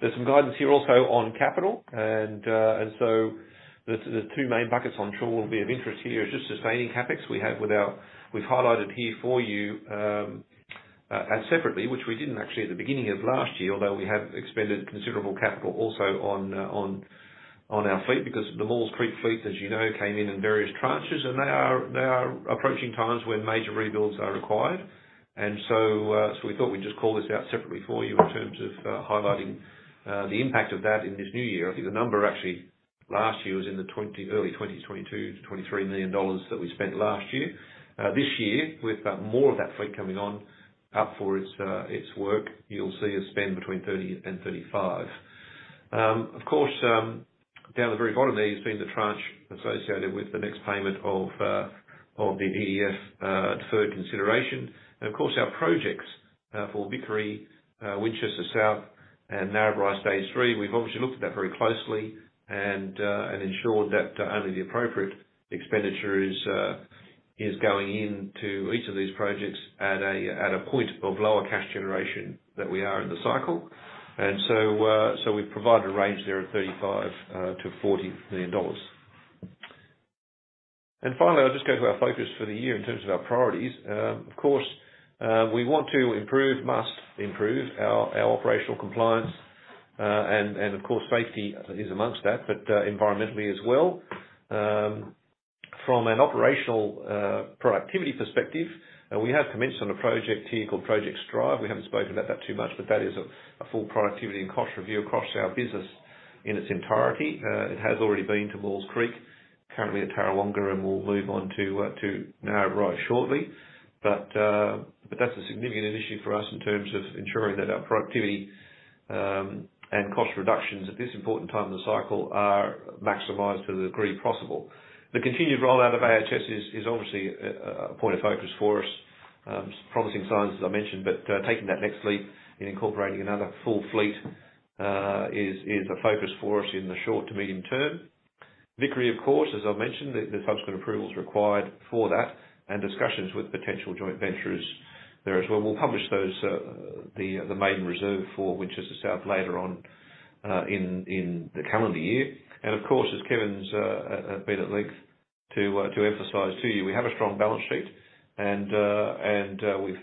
There's some guidance here also on capital. And so the two main buckets I'm sure will be of interest here is just sustaining CapEx. We've highlighted here for you and separately, which we didn't actually at the beginning of last year, although we have expended considerable capital also on our fleet because the Maules Creek fleet, as you know, came in in various tranches, and they are approaching times when major rebuilds are required, and so we thought we'd just call this out separately for you in terms of highlighting the impact of that in this new year. I think the number actually last year was in early 2022, 23 million dollars that we spent last year. This year, with more of that fleet coming on up for its work, you'll see a spend between 30 and 35. Of course, down at the very bottom there, you've seen the tranche associated with the next payment of the EDF deferred consideration. And of course, our projects for Vickery, Winchester South, and Narrabri Stage 3, we've obviously looked at that very closely and ensured that only the appropriate expenditure is going into each of these projects at a point of lower cash generation that we are in the cycle. And so we've provided a range there of $35-$40 million. And finally, I'll just go to our focus for the year in terms of our priorities. Of course, we want to improve, must improve our operational compliance. And of course, safety is amongst that, but environmentally as well. From an operational productivity perspective, we have commenced on a project here called Project STRIVE. We haven't spoken about that too much. But that is a full productivity and cost review across our business in its entirety. It has already been to Maules Creek, currently at Tarrawonga, and will move on to Narrabri shortly. But that's a significant initiative for us in terms of ensuring that our productivity and cost reductions at this important time of the cycle are maximized to the degree possible. The continued rollout of AHS is obviously a point of focus for us. Promising signs, as I mentioned. But taking that next leap in incorporating another full fleet is a focus for us in the short to medium term. Vickery, of course, as I've mentioned, the subsequent approvals required for that and discussions with potential joint ventures there as well. We'll publish the main reserve for Winchester South later on in the calendar year. And of course, as Kevin's been at length to emphasize to you, we have a strong balance sheet. And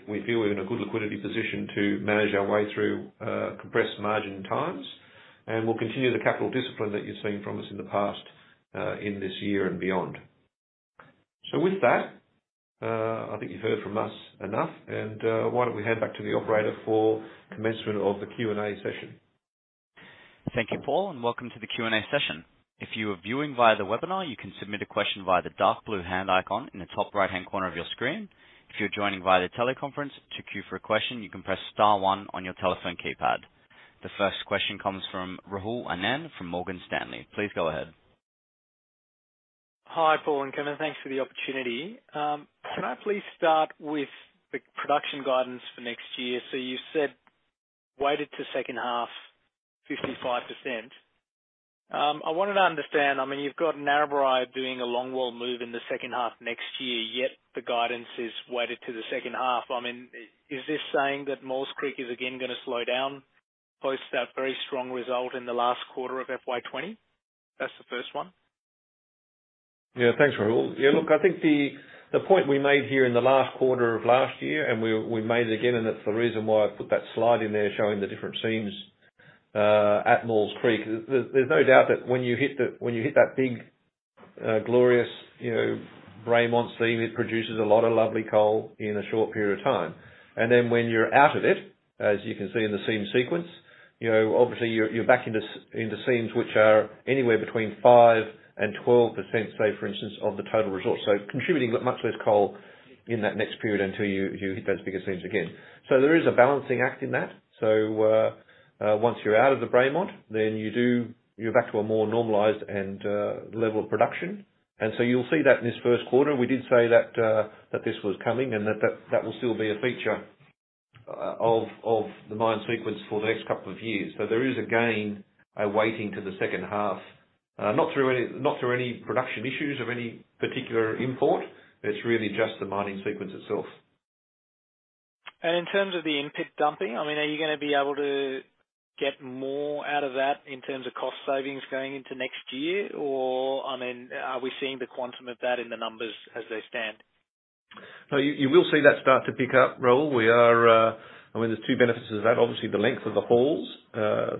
we feel we're in a good liquidity position to manage our way through compressed margin times. And we'll continue the capital discipline that you've seen from us in the past in this year and beyond. So with that, I think you've heard from us enough. And why don't we hand back to the operator for commencement of the Q&A session? Thank you, Paul. And welcome to the Q&A session. If you are viewing via the webinar, you can submit a question via the dark blue hand icon in the top right-hand corner of your screen. If you're joining via the teleconference to queue for a question, you can press star one on your telephone keypad. The first question comes from Rahul Anand from Morgan Stanley. Please go ahead. Hi, Paul and Kevin. Thanks for the opportunity. Can I please start with the production guidance for next year? So you said weighted to second half, 55%. I wanted to understand. I mean, you've got Narrabri doing a longwall move in the second half next year, yet the guidance is weighted to the second half. I mean, is this saying that Maules Creek is again going to slow down post that very strong result in the last quarter of FY20? That's the first one. Yeah. Thanks, Rahul. Yeah. Look, I think the point we made here in the last quarter of last year, and we made it again, and it's the reason why I put that slide in there showing the different seams at Maules Creek. There's no doubt that when you hit that big, glorious Braymont Seam, it produces a lot of lovely coal in a short period of time. And then when you're out of it, as you can see in the seam sequence, obviously, you're back into seams which are anywhere between 5%-12%, say, for instance, of the total resource. So contributing much less coal in that next period until you hit those bigger seams again. So there is a balancing act in that. So once you're out of the Braymont, then you're back to a more normalized level of production. And so you'll see that in this first quarter. We did say that this was coming and that that will still be a feature of the mine sequence for the next couple of years. So there is a gain awaiting to the second half, not through any production issues of any particular import. It's really just the mining sequence itself. In terms of the in-pit dumping, I mean, are you going to be able to get more out of that in terms of cost savings going into next year? Or I mean, are we seeing the quantum of that in the numbers as they stand? No. You will see that start to pick up, Rahul. I mean, there's two benefits of that. Obviously, the length of the hauls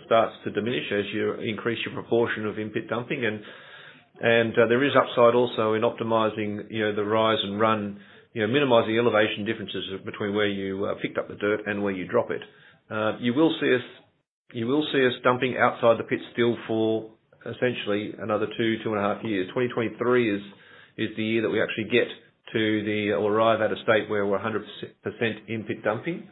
starts to diminish as you increase your proportion of in-pit dumping. And there is upside also in optimizing the rise and run, minimizing elevation differences between where you picked up the dirt and where you drop it. You will see us dumping outside the pit still for essentially another two, two and a half years. 2023 is the year that we actually get to the or arrive at a state where we're 100% in-pit dumping.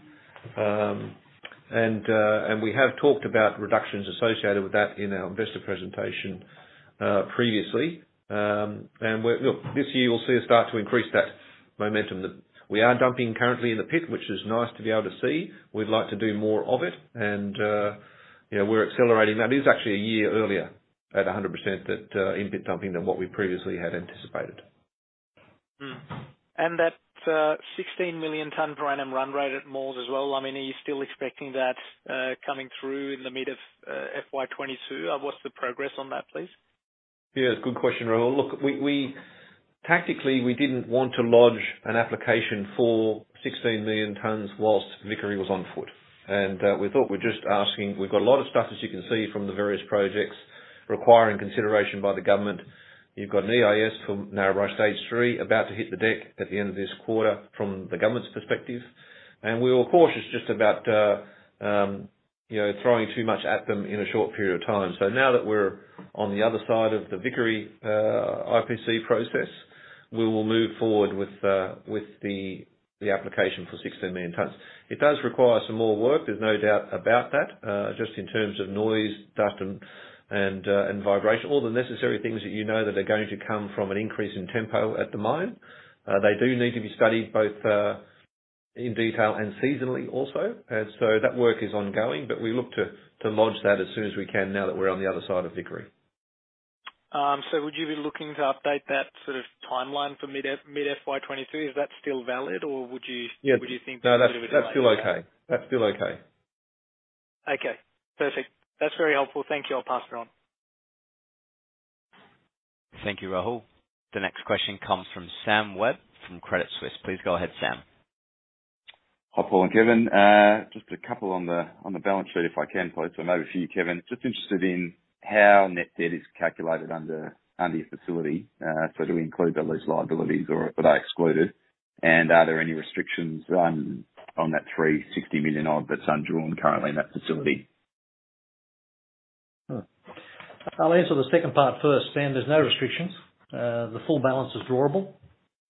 And we have talked about reductions associated with that in our investor presentation previously. And look, this year, you'll see us start to increase that momentum. We are dumping currently in the pit, which is nice to be able to see. We'd like to do more of it. And we're accelerating that. It is actually a year earlier at 100% in-pit dumping than what we previously had anticipated. That 16 million tonne per annum run rate at Maules as well, I mean, are you still expecting that coming through in the mid of FY22? What's the progress on that, please? Yeah. It's a good question, Rahul. Look, tactically, we didn't want to lodge an application for 16 million tons while Vickery was on foot. And we thought we're just asking we've got a lot of stuff, as you can see, from the various projects requiring consideration by the government. You've got an EIS for Narrabri Stage 3 about to hit the deck at the end of this quarter from the government's perspective. And we were cautious just about throwing too much at them in a short period of time. So now that we're on the other side of the Vickery IPC process, we will move forward with the application for 16 million tons. It does require some more work. There's no doubt about that, just in terms of noise, dust, and vibration, all the necessary things that you know that are going to come from an increase in tempo at the mine. They do need to be studied both in detail and seasonally also. And so that work is ongoing. But we look to lodge that as soon as we can now that we're on the other side of Vickery. So would you be looking to update that sort of timeline for mid FY22? Is that still valid, or would you think that's a little bit of a lag? Yeah. No. That's still okay. That's still okay. Okay. Perfect. That's very helpful. Thank you. I'll pass it on. Thank you, Rahul. The next question comes from Sam Webb from Credit Suisse. Please go ahead, Sam. Hi, Paul and Kevin. Just a couple on the balance sheet, if I can, please. So maybe for you, Kevin, just interested in how net debt is calculated under your facility. So do we include the lease liabilities, or are they excluded? And are there any restrictions on that 360 million odd that's undrawn currently in that facility? I'll answer the second part first. Sam, there's no restrictions. The full balance is drawable.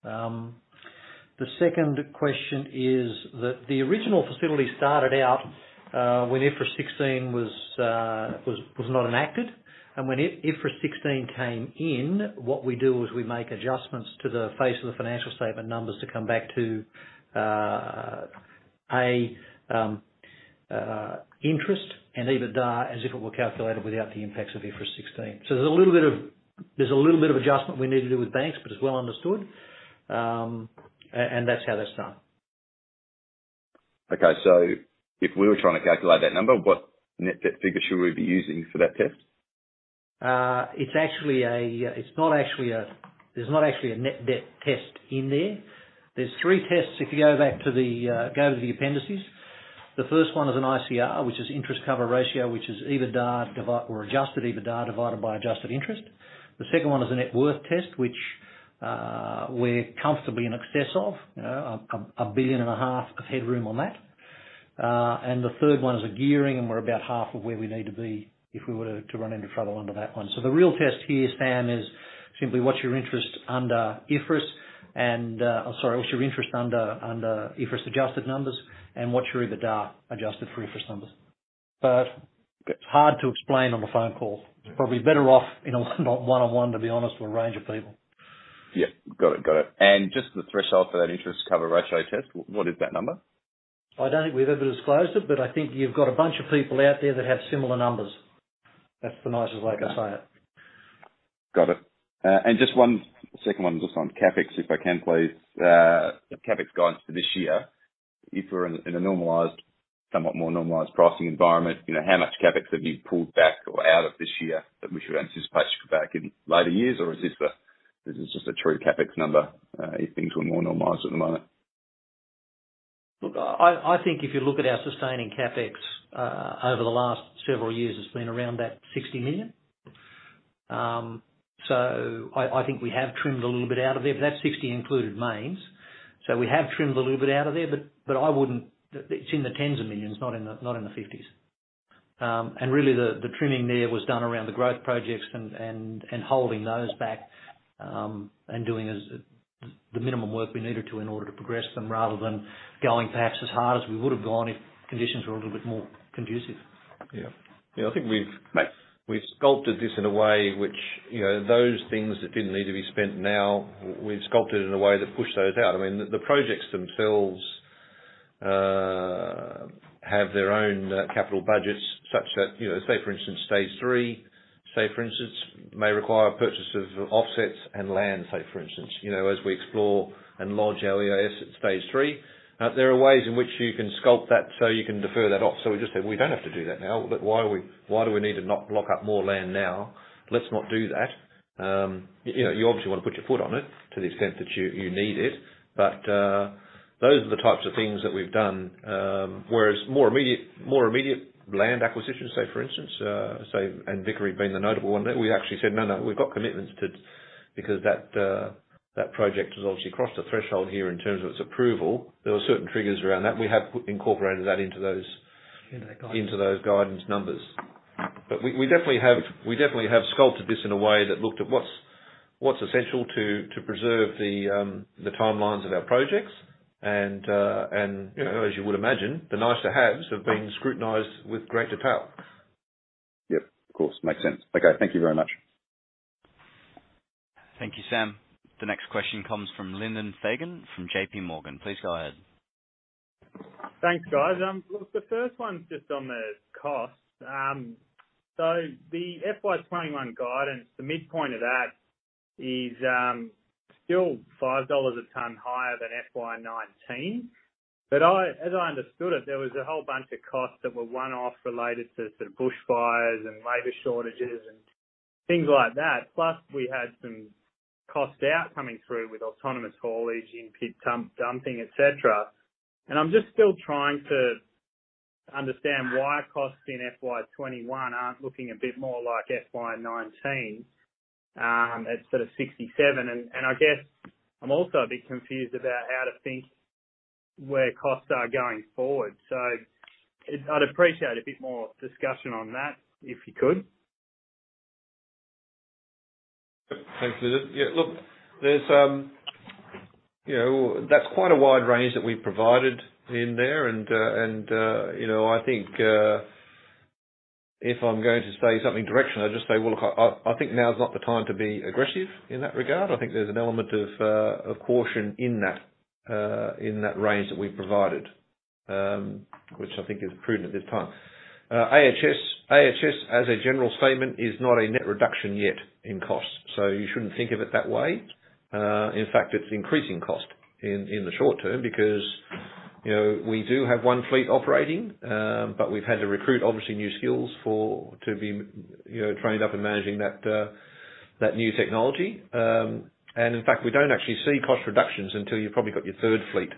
The second question is that the original facility started out when IFRS 16 was not enacted. And when IFRS 16 came in, what we do is we make adjustments to the face of the financial statement numbers to come back to an interest and EBITDA as if it were calculated without the impacts of IFRS 16. So there's a little bit of adjustment we need to do with banks, but it's well understood. And that's how that's done. Okay, so if we were trying to calculate that number, what net debt figure should we be using for that test? It’s not actually a net debt test in there. There's not actually a net debt test in there. There's three tests if you go back to the appendices. The first one is an ICR, which is interest cover ratio, which is EBITDA or adjusted EBITDA divided by adjusted interest. The second one is a net worth test, which we're comfortably in excess of 1.5 billion of headroom on that. And the third one is a gearing, and we're about half of where we need to be if we were to run into trouble under that one. So the real test here, Sam, is simply what's your interest under IFRS and I'm sorry, what's your interest under IFRS adjusted numbers and what's your EBITDA adjusted for IFRS numbers. But it's hard to explain on a phone call. It's probably better off in a one-on-one, to be honest, with a range of people. Yeah. Got it. Got it. And just the threshold for that interest cover ratio test, what is that number? I don't think we've ever disclosed it, but I think you've got a bunch of people out there that have similar numbers. That's the nicest way to say it. Got it. And just one second one, just on CapEx, if I can, please. CapEx guidance for this year, if we're in a normalized, somewhat more normalized pricing environment, how much CapEx have you pulled back or out of this year that we should anticipate you could back in later years? Or is this just a true CapEx number if things were more normalized at the moment? Look, I think if you look at our sustaining CapEx over the last several years, it's been around 60 million. So I think we have trimmed a little bit out of there. But that's 60 million included mines. So we have trimmed a little bit out of there. But it's in the tens of millions, not in the 50s. And really, the trimming there was done around the growth projects and holding those back and doing the minimum work we needed to in order to progress them rather than going perhaps as hard as we would have gone if conditions were a little bit more conducive. Yeah. Yeah. I think we've sculpted this in a way which those things that didn't need to be spent now. We've sculpted it in a way that pushed those out. I mean, the projects themselves have their own capital budgets such that, say, for instance, Stage 3, say, for instance, may require purchase of offsets and land, say, for instance, as we explore and lodge our EIS at Stage 3. There are ways in which you can sculpt that so you can defer that off. So we just said, "We don't have to do that now. Why do we need to not lock up more land now? Let's not do that." You obviously want to put your foot on it to the extent that you need it. Those are the types of things that we've done. Whereas more immediate land acquisitions, say, for instance, and Vickery being the notable one, we actually said, "No, no. We've got commitments to because that project has obviously crossed a threshold here in terms of its approval." There were certain triggers around that. We have incorporated that into those. Into that guidance. Into those guidance numbers. But we definitely have sculpted this in a way that looked at what's essential to preserve the timelines of our projects. And as you would imagine, the nice-to-haves have been scrutinized with great detail. Yep. Of course. Makes sense. Okay. Thank you very much. Thank you, Sam. The next question comes from Lyndon Fagan from J.P. Morgan. Please go ahead. Thanks, guys. Look, the first one's just on the cost. So the FY21 guidance, the midpoint of that is still 5 dollars a ton higher than FY19. But as I understood it, there was a whole bunch of costs that were one-off related to sort of bushfires and labor shortages and things like that. Plus, we had some costs out coming through with autonomous haulage, in-pit dumping, etc. And I'm just still trying to understand why costs in FY21 aren't looking a bit more like FY19 at sort of 67. And I guess I'm also a bit confused about how to think where costs are going forward. So I'd appreciate a bit more discussion on that if you could. Thanks, Lyndon. Yeah. Look, that's quite a wide range that we've provided in there. And I think if I'm going to say something directional, I'll just say, "Well, look, I think now's not the time to be aggressive in that regard. I think there's an element of caution in that range that we've provided, which I think is prudent at this time." AHS, as a general statement, is not a net reduction yet in cost. So you shouldn't think of it that way. In fact, it's increasing cost in the short term because we do have one fleet operating, but we've had to recruit, obviously, new skills to be trained up and managing that new technology. And in fact, we don't actually see cost reductions until you've probably got your third fleet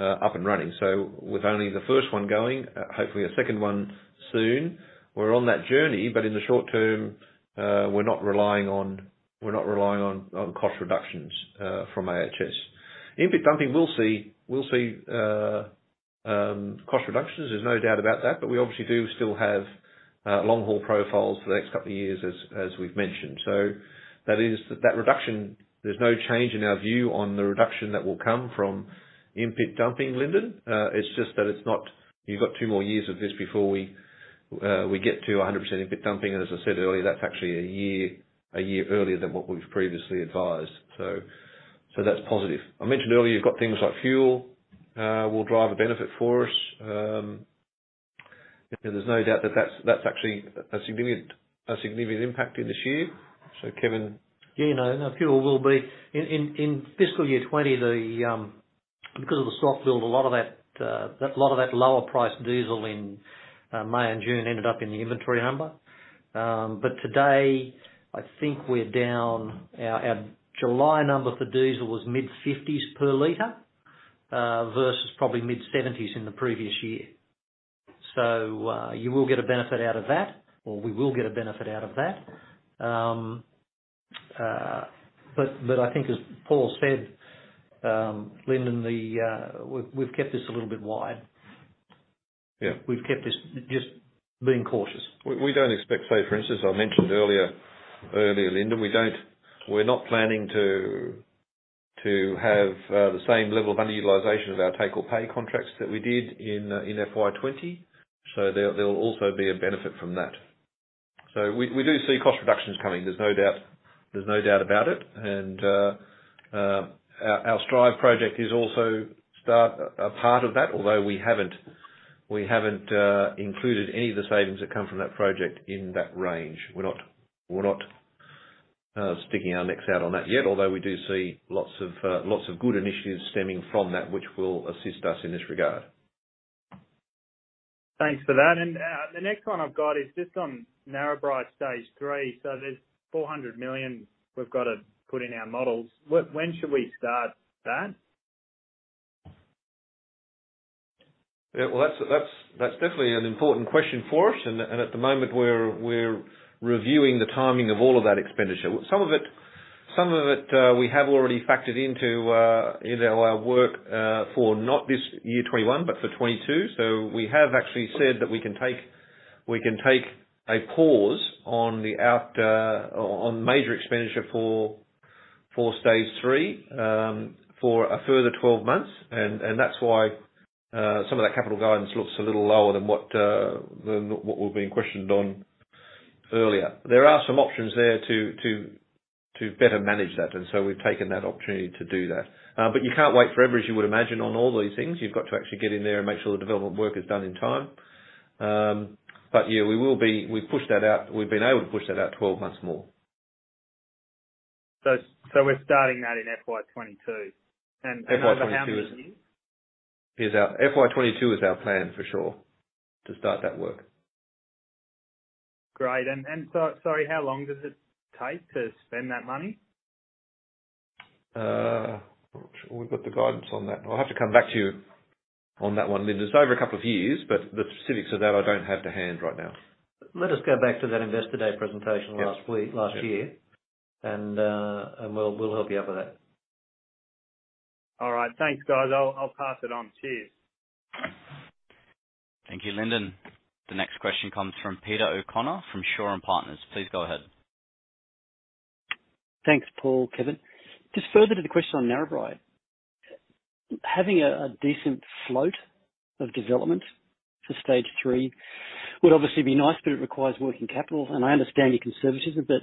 up and running. So with only the first one going, hopefully a second one soon, we're on that journey. But in the short term, we're not relying on cost reductions from AHS. In-pit dumping, we'll see cost reductions. There's no doubt about that. But we obviously do still have long-haul profiles for the next couple of years, as we've mentioned. So that reduction, there's no change in our view on the reduction that will come from in-pit dumping, Lyndon. It's just that it's not you've got two more years of this before we get to 100% in-pit dumping. And as I said earlier, that's actually a year earlier than what we've previously advised. So that's positive. I mentioned earlier you've got things like fuel will drive a benefit for us. There's no doubt that that's actually a significant impact in this year. So Kevin. Yeah. No. No. Fuel will be in fiscal year 2020, because of the stock build, a lot of ththat. But I think, as Paul said, Lyndon, we've kept this a little bit wide. We've keptat lower-priced diesel in May and June ended up in the inventory number. But today, I think we're down. Our July number for diesel was mid-50s per liter versus probably mid-70s in the previous year. So you will get a benefit out of that, or we will get a benefit out of this just being cautious. We don't expect, say, for instance. I mentioned earlier, Lyndon, we're not planning to have the same level of underutilization of our take-or-pay contracts that we did in FY20. So there'll be a benefit from that. So we do see cost reductions coming. There's no doubt about it. And our STRIVE project is also a part of that, although we haven't included any of the savings that come from that project in that range. We're not sticking our necks out on that yet, although we do see lots of good initiatives stemming from that, which will assist us in this regard. Thanks for that. And the next one I've got is just on Narrabri Stage 3. So there's 400 million we've got to put in our models. When should we start that? Yeah. Well, that's definitely an important question for us, and at the moment, we're reviewing the timing of all of that expenditure. Some of it we have already factored into our work for not this year 2021, but for 2022, so we have actually said that we can take a pause on major expenditure for Stage 3 for a further 12 months, and that's why some of that capital guidance looks a little lower than what we've been questioned on earlier. There are some options there to better manage that, and so we've taken that opportunity to do that, but you can't wait forever, as you would imagine, on all these things. You've got to actually get in there and make sure the development work is done in time, but yeah, we will be. We've pushed that out. We've been able to push that out 12 months more. So we're starting that in FY 2022. And how many years? FY22 is our plan, for sure, to start that work. Great. Sorry, how long does it take to spend that money? I'm not sure we've got the guidance on that. I'll have to come back to you on that one, Lyndon. It's over a couple of years, but the specifics of that I don't have to hand right now. Let us go back to that Investor Day presentation last year, and we'll help you out with that. All right. Thanks, guys. I'll pass it on. Cheers. Thank you, Lyndon. The next question comes from Peter O'Connor from Shaw & Partners. Please go ahead. Thanks, Paul, Kevin. Just further to the question on Narrabri, having a decent float of development for Stage 3 would obviously be nice, but it requires working capital. And I understand you're conservative, but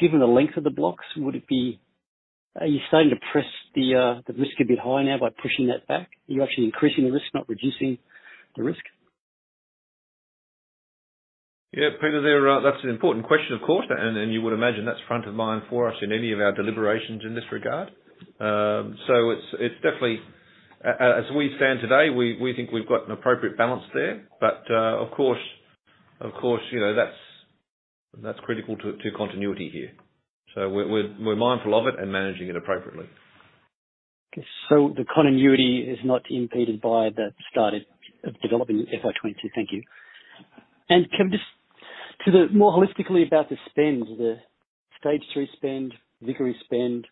given the length of the blocks, are you starting to press the risk a bit high now by pushing that back? Are you actually increasing the risk, not reducing the risk? Yeah. Peter, that's an important question, of course. And you would imagine that's front of mind for us in any of our deliberations in this regard. So it's definitely, as we stand today, we think we've got an appropriate balance there. But of course, that's critical to continuity here. So we're mindful of it and managing it appropriately. Okay, so the continuity is not impeded by the start of developing FY22. Thank you, and Kevin, just to think more holistically about the spend, the Stage 3 spend, Vickery spend,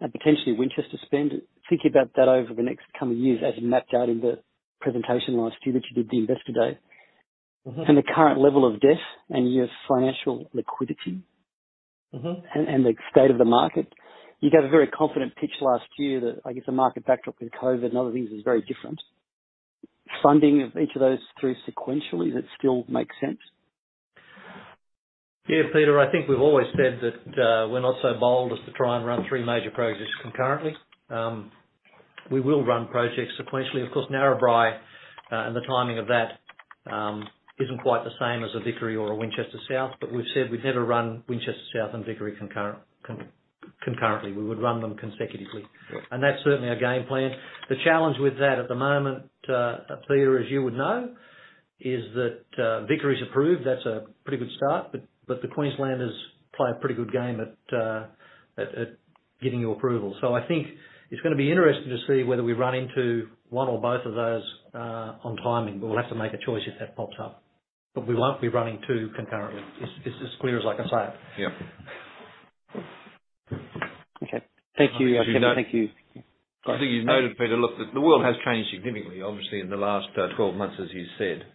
and potentially Winchester spend, thinking about that over the next coming years as mapped out in the presentation last year that you did the Investor Day and the current level of debt and your financial liquidity and the state of the market. You gave a very confident pitch last year that, I guess, the market backdrop with COVID and other things was very different. Funding of each of those through sequentially, does it still make sense? Yeah. Peter, I think we've always said that we're not so bold as to try and run three major projects concurrently. We will run projects sequentially. Of course, Narrabri and the timing of that isn't quite the same as a Vickery or a Winchester South. But we've said we'd never run Winchester South and Vickery concurrently. We would run them consecutively. And that's certainly a game plan. The challenge with that at the moment, Peter, as you would know, is that Vickery's approved. That's a pretty good start. But the Queenslanders play a pretty good game at getting your approval. So I think it's going to be interesting to see whether we run into one or both of those on timing. But we'll have to make a choice if that pops up. But we won't be running two concurrently. It's as clear as I can say it. Yeah. Okay. Thank you, Kevin. Thank you. I think you've noted, Peter, look, the world has changed significantly, obviously, in the last 12 months, as you said,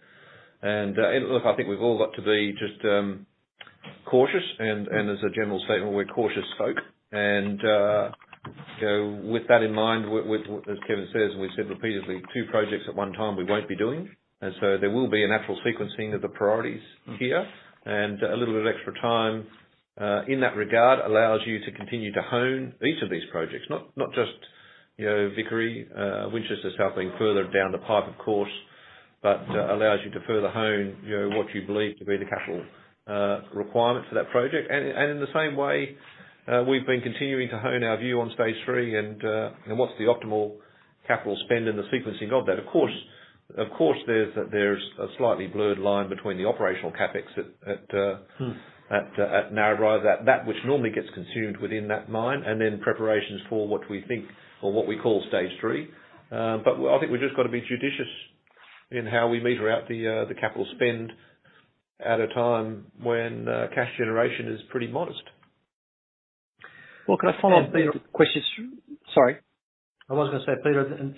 and look, I think we've all got to be just cautious. And as a general statement, we're cautious folk. And with that in mind, as Kevin says, and we've said repeatedly, two projects at one time we won't be doing, and so there will be an actual sequencing of the priorities here. And a little bit of extra time in that regard allows you to continue to hone each of these projects, not just Vickery, Winchester South being further down the pipe, of course, but allows you to further hone what you believe to be the capital requirement for that project. And in the same way, we've been continuing to hone our view on Stage 3 and what's the optimal capital spend and the sequencing of that. Of course, there's a slightly blurred line between the operational CapEx at Narrabri, that which normally gets consumed within that line, and then preparations for what we think or what we call Stage 3. But I think we've just got to be judicious in how we meter out the capital spend at a time when cash generation is pretty modest. Well, can I follow up? Yes. Peter? Questions? Sorry. I was going to say, Peter,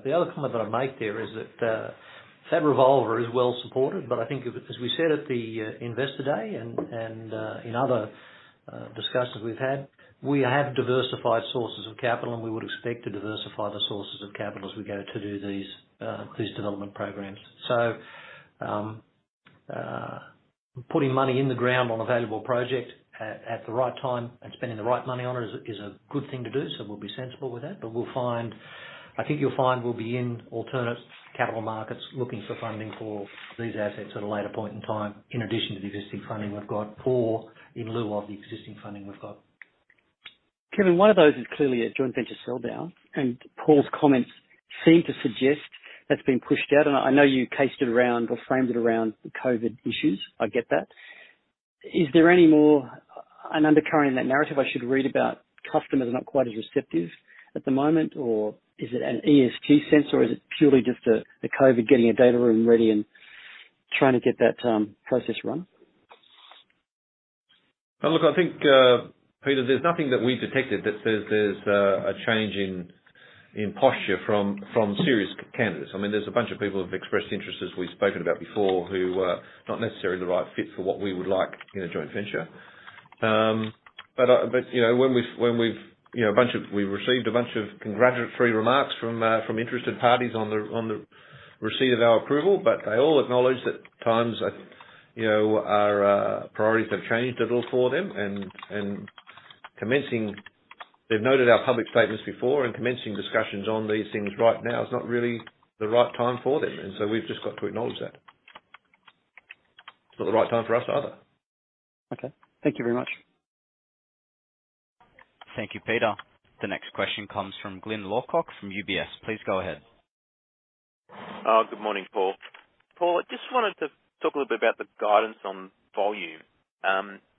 the other comment that I make there is that that revolver is well supported, but I think, as we said at the Investor Day and in other discussions we've had, we have diversified sources of capital, and we would expect to diversify the sources of capital as we go to do these development programs, so putting money in the ground on a valuable project at the right time and spending the right money on it is a good thing to do, so we'll be sensible with that, but I think you'll find we'll be in alternate capital markets looking for funding for these assets at a later point in time in addition to the existing funding we've got or in lieu of the existing funding we've got. Kevin, one of those is clearly a joint venture sell down. And Paul's comments seem to suggest that's been pushed out. And I know you based it around or framed it around COVID issues. I get that. Is there any more of an undercurrent in that narrative I should read about, customers are not quite as receptive at the moment? Or is it in an ESG sense, or is it purely just the COVID getting a data room ready and trying to get that process run? Look, I think, Peter, there's nothing that we've detected that says there's a change in posture from serious candidates. I mean, there's a bunch of people who've expressed interest, as we've spoken about before, who are not necessarily the right fit for what we would like in a joint venture. But we've received a bunch of congratulatory remarks from interested parties on the receipt of our approval, but they all acknowledge that times and priorities have changed a little for them. And they've noted our public statements before, and commencing discussions on these things right now is not really the right time for them. And so we've just got to acknowledge that. It's not the right time for us either. Okay. Thank you very much. Thank you, Peter. The next question comes from Glyn Lawcock from UBS. Please go ahead. Good morning, Paul. Paul, I just wanted to talk a little bit about the guidance on volume.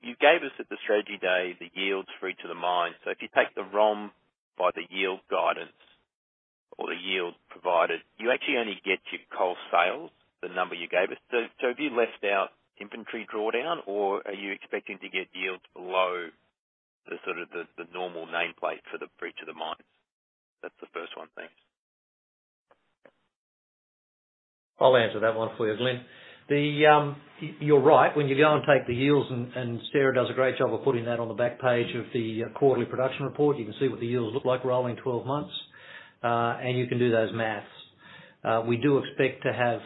You gave us at the Strategy Day the yields for each of the mines. So if you take the ROM by the yield guidance or the yield provided, you actually only get your coal sales, the number you gave us. So have you left out inventory drawdown, or are you expecting to get yields below the sort of the normal nameplate for each of the mines? That's the first one, thanks. I'll answer that one for you, Glyn. You're right. When you go and take the yields, and Sarah does a great job of putting that on the back page of the quarterly production report, you can see what the yields look like rolling 12 months, and you can do those math. We do expect to have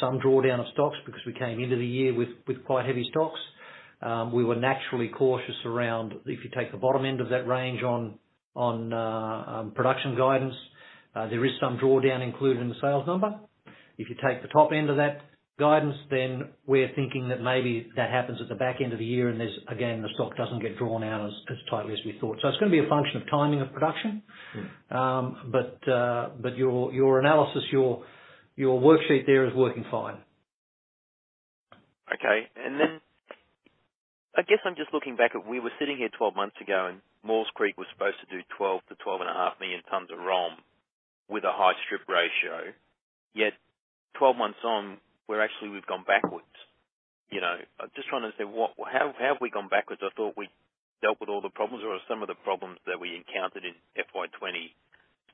some drawdown of stocks because we came into the year with quite heavy stocks. We were naturally cautious around if you take the bottom end of that range on production guidance, there is some drawdown included in the sales number. If you take the top end of that guidance, then we're thinking that maybe that happens at the back end of the year, and again, the stock doesn't get drawn out as tightly as we thought, so it's going to be a function of timing of production. But your analysis, your worksheet there is working fine. Okay. And then I guess I'm just looking back at we were sitting here 12 months ago, and Maules Creek was supposed to do 12-12.5 million tons of ROM with a high strip ratio. Yet 12 months on, we've actually gone backwards. I'm just trying to understand how have we gone backwards? I thought we dealt with all the problems. Or are some of the problems that we encountered in FY20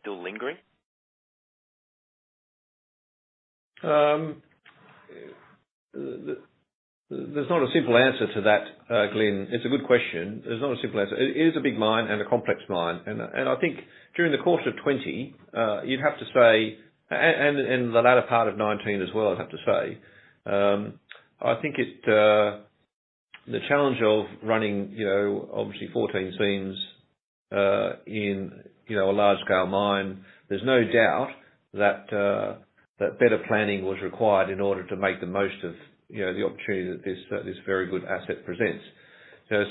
still lingering? There's not a simple answer to that, Glyn. It's a good question. There's not a simple answer. It is a big mine and a complex mine. And I think during the quarter of 2020, you'd have to say and the latter part of 2019 as well, I'd have to say, I think the challenge of running, obviously, 14 seams in a large-scale mine, there's no doubt that better planning was required in order to make the most of the opportunity that this very good asset presents.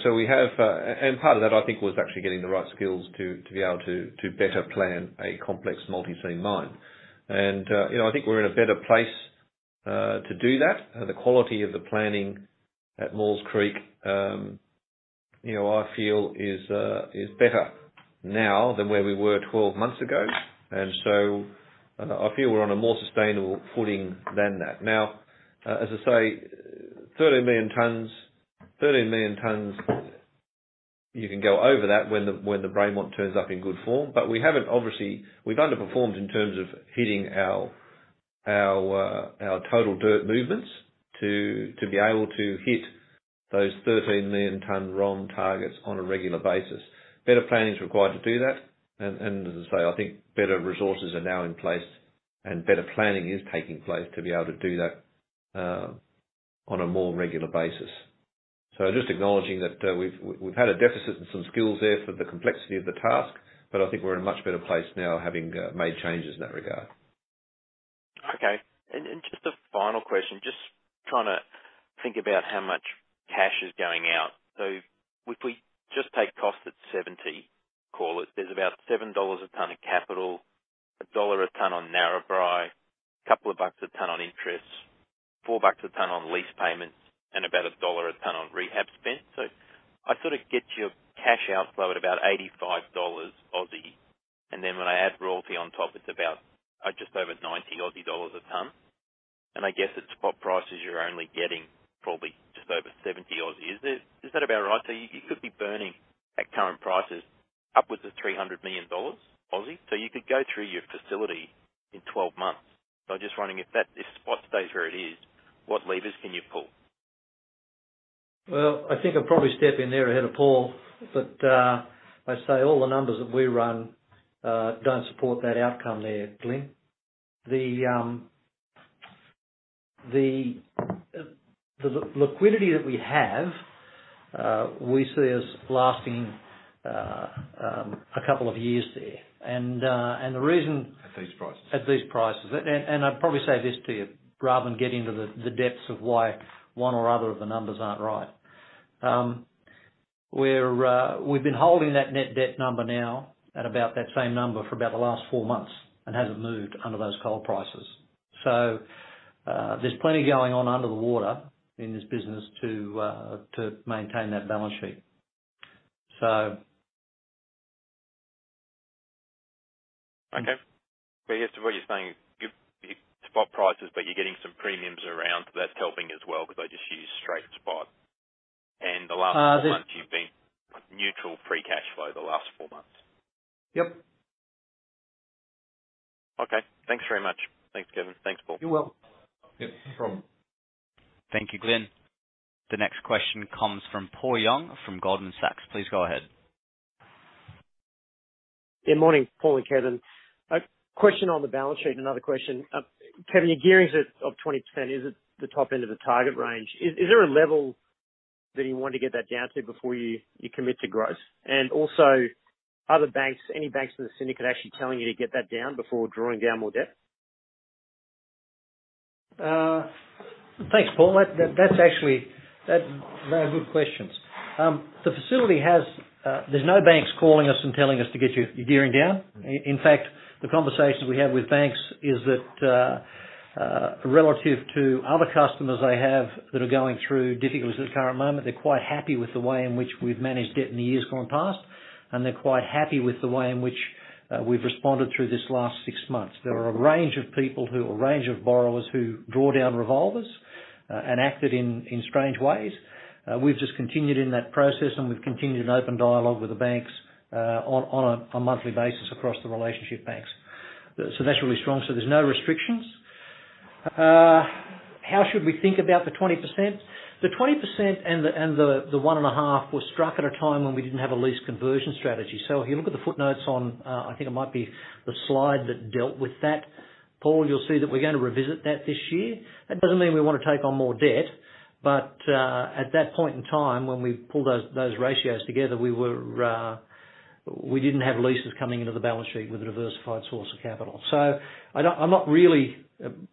So we have and part of that, I think, was actually getting the right skills to be able to better plan a complex multi-seam mine. And I think we're in a better place to do that. And the quality of the planning at Maules Creek, I feel, is better now than where we were 12 months ago. I feel we're on a more sustainable footing than that. Now, as I say, 13 million tons. You can go over that when the rain won't turn up in good form. But we haven't, obviously we've underperformed in terms of hitting our total dirt movements to be able to hit those 13 million-ton ROM targets on a regular basis. Better planning is required to do that. And as I say, I think better resources are now in place, and better planning is taking place to be able to do that on a more regular basis. So just acknowledging that we've had a deficit in some skills there for the complexity of the task, but I think we're in a much better place now having made changes in that regard. Okay. And just a final question. Just trying to think about how much cash is going out. So if we just take cost at 70, call it, there's about 7 dollars a tonne of capital, a dollar a tonne on Narrabri, a couple of bucks a tonne on interest, four bucks a tonne on lease payments, and about a dollar a tonne on rehab spent. So I sort of get your cash outflow at about 85 Aussie dollars. And then when I add royalty on top, it's about just over 90 Aussie dollars a tonne. And I guess at spot prices, you're only getting probably just over 70. Is that about right? So you could be burning at current prices upwards of 300 million Aussie dollars. So you could go through your facility in 12 months. So just wondering if that spot stays where it is, what levers can you pull? Well, I think I'd probably step in there ahead of Paul. But I'd say all the numbers that we run don't support that outcome there, Glyn. The liquidity that we have, we see as lasting a couple of years there. And the reason. At these prices. At these prices, and I'd probably say this to you rather than get into the depths of why one or other of the numbers aren't right. We've been holding that net debt number now at about that same number for about the last four months and hasn't moved under those coal prices, so there's plenty going on under the water in this business to maintain that balance sheet. So. Okay, But yes, to what you're saying, spot prices, but you're getting some premiums around. That's helping as well because they just use straight spot. And the last four months, you've been neutral free cash flow. Yep. Okay. Thanks very much. Thanks, Kevin. Thanks, Paul. You're welcome. Yep. No problem. Thank you, Glyn. The next question comes from Paul Young from Goldman Sachs. Please go ahead. Yeah. Morning, Paul and Kevin. Question on the balance sheet. Another question. Kevin, your gearing's at 20%. Is it the top end of the target range? Is there a level that you want to get that down to before you commit to growth? And also, any banks in the city could actually tell you to get that down before drawing down more debt? Thanks, Paul. That's actually very good questions. The facility, there's no banks calling us and telling us to get your gearing down. In fact, the conversations we have with banks is that relative to other customers I have that are going through difficulties at the current moment, they're quite happy with the way in which we've managed debt in the years gone past, and they're quite happy with the way in which we've responded through this last six months. There are a range of borrowers who draw down revolvers and acted in strange ways. We've just continued in that process, and we've continued an open dialogue with the banks on a monthly basis across the relationship banks. So that's really strong, so there's no restrictions. How should we think about the 20%? The 20% and the 1.5 were struck at a time when we didn't have a lease conversion strategy. So if you look at the footnotes on, I think it might be the slide that dealt with that, Paul, you'll see that we're going to revisit that this year. That doesn't mean we want to take on more debt. But at that point in time, when we pulled those ratios together, we didn't have leases coming into the balance sheet with a diversified source of capital. So, in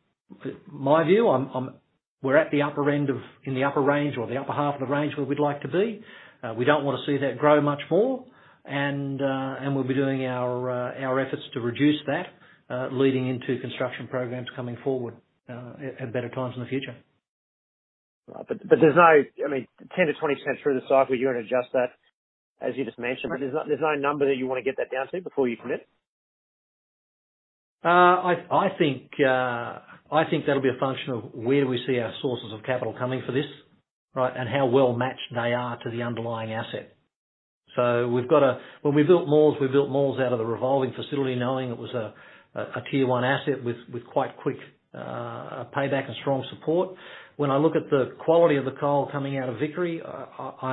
my view, we're at the upper end. In the upper range or the upper half of the range where we'd like to be. We don't want to see that grow much more. And we'll be doing our efforts to reduce that leading into construction programs coming forward at better times in the future. But there's no, I mean, 10%-20% through the cycle, you're going to adjust that, as you just mentioned. But there's no number that you want to get that down to before you commit? I think that'll be a function of where do we see our sources of capital coming for this, right, and how well matched they are to the underlying asset. So when we built Maules, we built Maules out of the revolving facility knowing it was a tier one asset with quite quick payback and strong support. When I look at the quality of the coal coming out of Vickery, I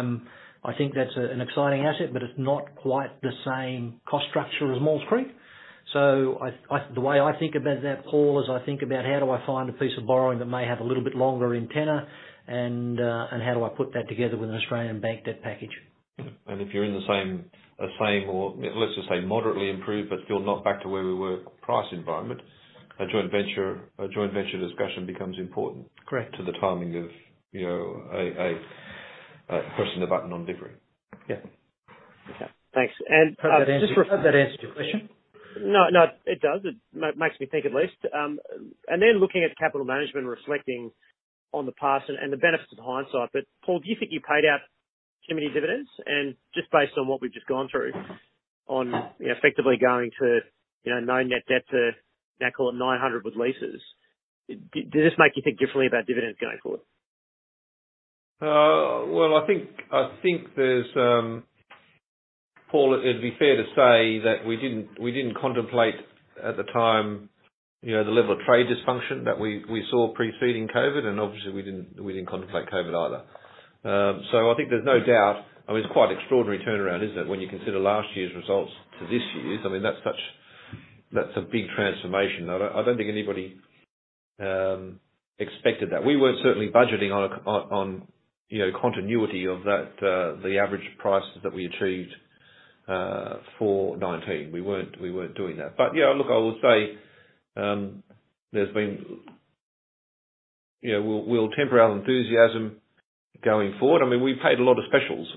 think that's an exciting asset, but it's not quite the same cost structure as Maules Creek. So the way I think about that, Paul, is I think about how do I find a piece of borrowing that may have a little bit longer tenor and how do I put that together with an Australian bank debt package. If you're in the same or, let's just say, moderately improved but still not back to where we were price environment, a joint venture discussion becomes important. Correct. To the timing of pressing the button on Vickery. Yeah. Okay. Thanks. That answers your question? No, no. It does. It makes me think at least, and then looking at capital management reflecting on the past and the benefits of hindsight, but Paul, do you think you paid out too many dividends? And just based on what we've just gone through on effectively going to no net debt to, now call it 900 with leases, does this make you think differently about dividends going forward? Well, I think there, Paul, it'd be fair to say that we didn't contemplate at the time the level of trade dysfunction that we saw preceding COVID. And obviously, we didn't contemplate COVID either. So I think there's no doubt. I mean, it's quite an extraordinary turnaround, isn't it, when you consider last year's results to this year's? I mean, that's a big transformation. I don't think anybody expected that. We weren't certainly budgeting on continuity of the average prices that we achieved for 2019. We weren't doing that. But yeah, look, I will say there's been. We'll temper our enthusiasm going forward. I mean, we paid a lot of specials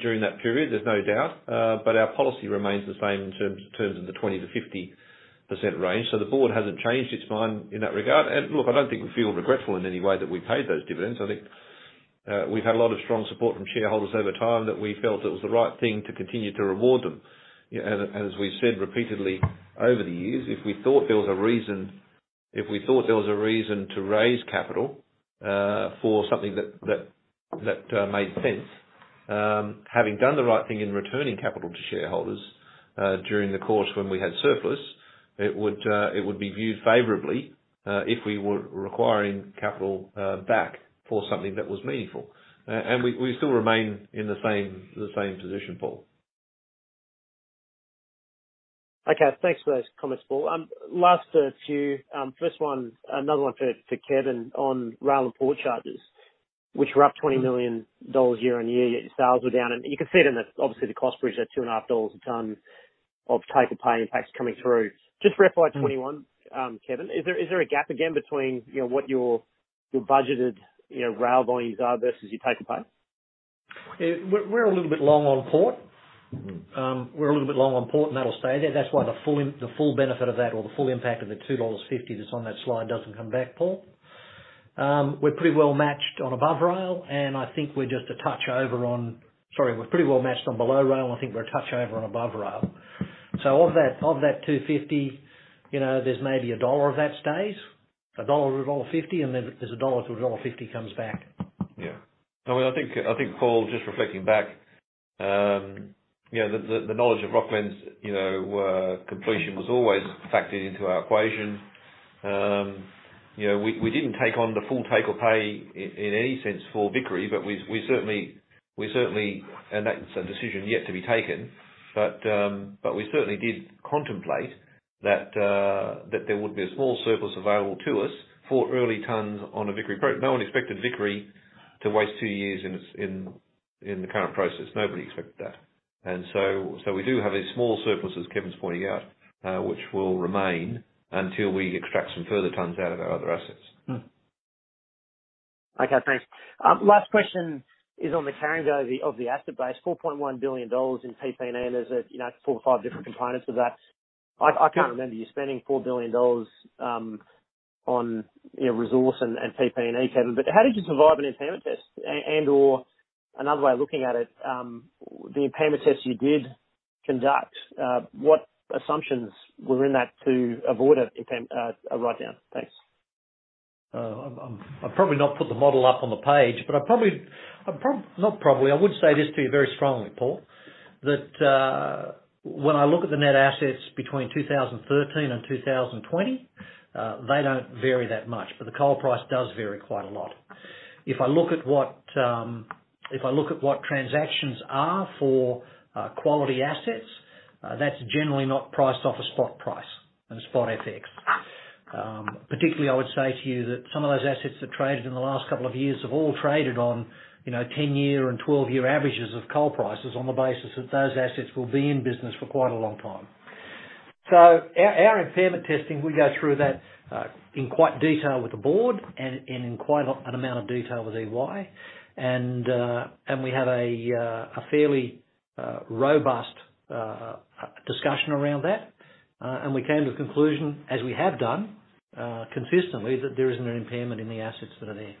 during that period. There's no doubt. But our policy remains the same in terms of the 20%-50% range. So the board hasn't changed its mind in that regard. Look, I don't think we feel regretful in any way that we paid those dividends. I think we've had a lot of strong support from shareholders over time that we felt it was the right thing to continue to reward them. As we've said repeatedly over the years, if we thought there was a reason to raise capital for something that made sense, having done the right thing in returning capital to shareholders during the course when we had surplus, it would be viewed favorably if we were requiring capital back for something that was meaningful. We still remain in the same position, Paul. Okay. Thanks for those comments, Paul. Last few. First one, another one for Kevin on rail and port charges, which were up 20 million dollars year on year. Sales were down, and you can see it in that, obviously, the cost bridge at 2.5 a tonne of take-or-pay impacts coming through. Just for FY21, Kevin, is there a gap again between what your budgeted rail volumes are versus your take-or-pay? We're a little bit long on port, and that'll stay there. That's why the full benefit of that or the full impact of the 2.50 dollars that's on that slide doesn't come back, Paul. We're pretty well matched on above rail. And I think we're just a touch over on sorry, we're pretty well matched on below rail. And I think we're a touch over on above rail. So of that 2.50, there's maybe a dollar of that stays. AUD 1 to dollar 1.50. And then there's AUD 1 to dollar 1.50 comes back. Yeah. I mean, I think, Paul, just reflecting back, yeah, the knowledge of Rocglen's completion was always factored into our equation. We didn't take on the full take-or-pay in any sense for Vickery, but we certainly and that's a decision yet to be taken. But we certainly did contemplate that there would be a small surplus available to us for early tons on a Vickery project. No one expected Vickery to waste two years in the current process. Nobody expected that. And so we do have a small surplus, as Kevin's pointing out, which will remain until we extract some further tons out of our other assets. Okay. Thanks. Last question is on the carrying value of the asset base. 4.1 billion dollars in PP&E, and there's four or five different components of that. I can't remember you spending 4 billion dollars on resource and PP&E, Kevin. But how did you survive an impairment test? And/or another way of looking at it, the impairment test you did conduct, what assumptions were in that to avoid a write-down? Thanks. I've probably not put the model up on the page, but probably not. I would say this to you very strongly, Paul, that when I look at the net assets between 2013 and 2020, they don't vary that much. But the coal price does vary quite a lot. If I look at what transactions are for quality assets, that's generally not priced off a spot price and a spot FX. Particularly, I would say to you that some of those assets that traded in the last couple of years have all traded on 10-year and 12-year averages of coal prices on the basis that those assets will be in business for quite a long time. Our impairment testing, we go through that in quite detail with the board and in quite an amount of detail with EY. We have a fairly robust discussion around that. We came to the conclusion, as we have done consistently, that there isn't an impairment in the assets that are there.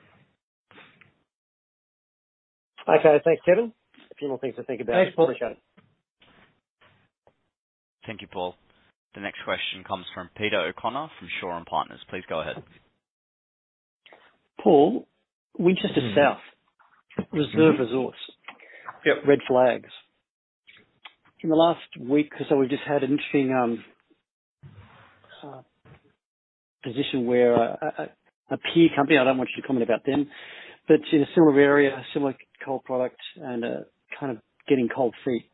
Okay. Thanks, Kevin. A few more things to think about. Thanks, Paul. Appreciate it. Thank you, Paul. The next question comes from Peter O'Connor from Shaw & Partners. Please go ahead. Paul, Winchester South, reserve resource, red flags. In the last week or so, we've just had an interesting position where a peer company, I don't want you to comment about them, but in a similar area, similar coal product, and kind of getting cold feet.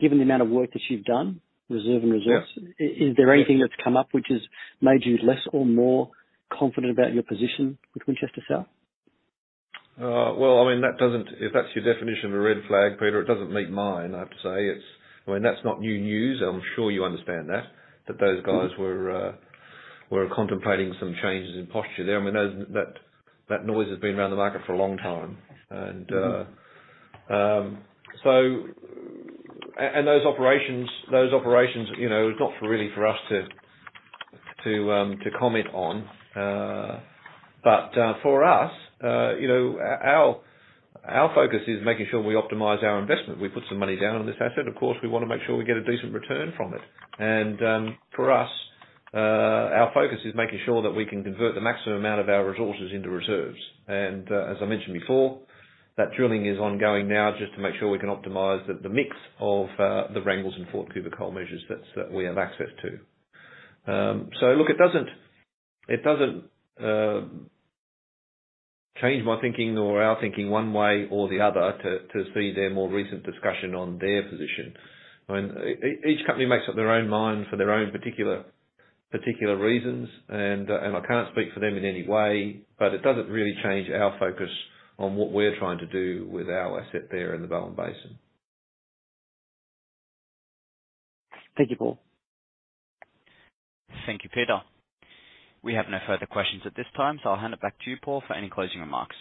Given the amount of work that you've done, reserve and resource, is there anything that's come up which has made you less or more confident about your position with Winchester South? I mean, that doesn't, if that's your definition of a red flag, Peter, it doesn't meet mine, I have to say. I mean, that's not new news. I'm sure you understand that those guys were contemplating some changes in posture there. I mean, that noise has been around the market for a long time. Those operations, it's not really for us to comment on. For us, our focus is making sure we optimize our investment. We put some money down on this asset. Of course, we want to make sure we get a decent return from it. For us, our focus is making sure that we can convert the maximum amount of our resources into reserves. And as I mentioned before, that drilling is ongoing now just to make sure we can optimize the mix of the Rangal and Fort Cooper Coal Measures that we have access to. So look, it doesn't change my thinking or our thinking one way or the other to see their more recent discussion on their position. I mean, each company makes up their own mind for their own particular reasons. And I can't speak for them in any way, but it doesn't really change our focus on what we're trying to do with our asset there in the Bowen Basin. Thank you, Paul. Thank you, Peter. We have no further questions at this time, so I'll hand it back to you, Paul, for any closing remarks.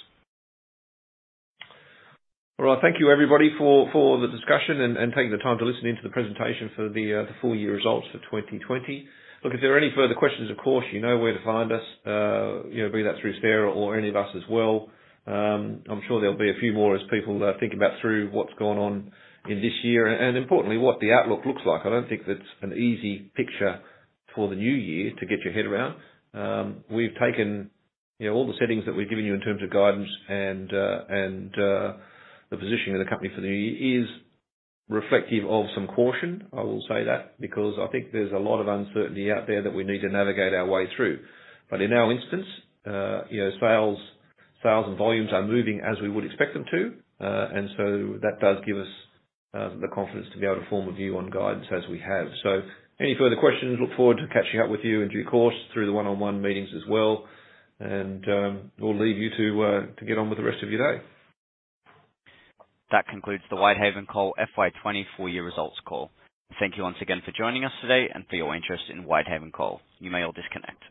All right. Thank you, everybody, for the discussion and taking the time to listen into the presentation for the full year results for 2020. Look, if there are any further questions, of course, you know where to find us. Be that through Sarah or any of us as well. I'm sure there'll be a few more as people think about through what's gone on in this year and, importantly, what the outlook looks like. I don't think that's an easy picture for the new year to get your head around. We've taken all the settings that we've given you in terms of guidance, and the positioning of the company for the new year is reflective of some caution, I will say that, because I think there's a lot of uncertainty out there that we need to navigate our way through. But in our instance, sales and volumes are moving as we would expect them to. And so that does give us the confidence to be able to form a view on guidance as we have. So any further questions? Look forward to catching up with you and, of course, through the one-on-one meetings as well. And we'll leave you to get on with the rest of your day. That concludes the Whitehaven Coal FY20 full year results call. Thank you once again for joining us today and for your interest in Whitehaven Coal. You may all disconnect.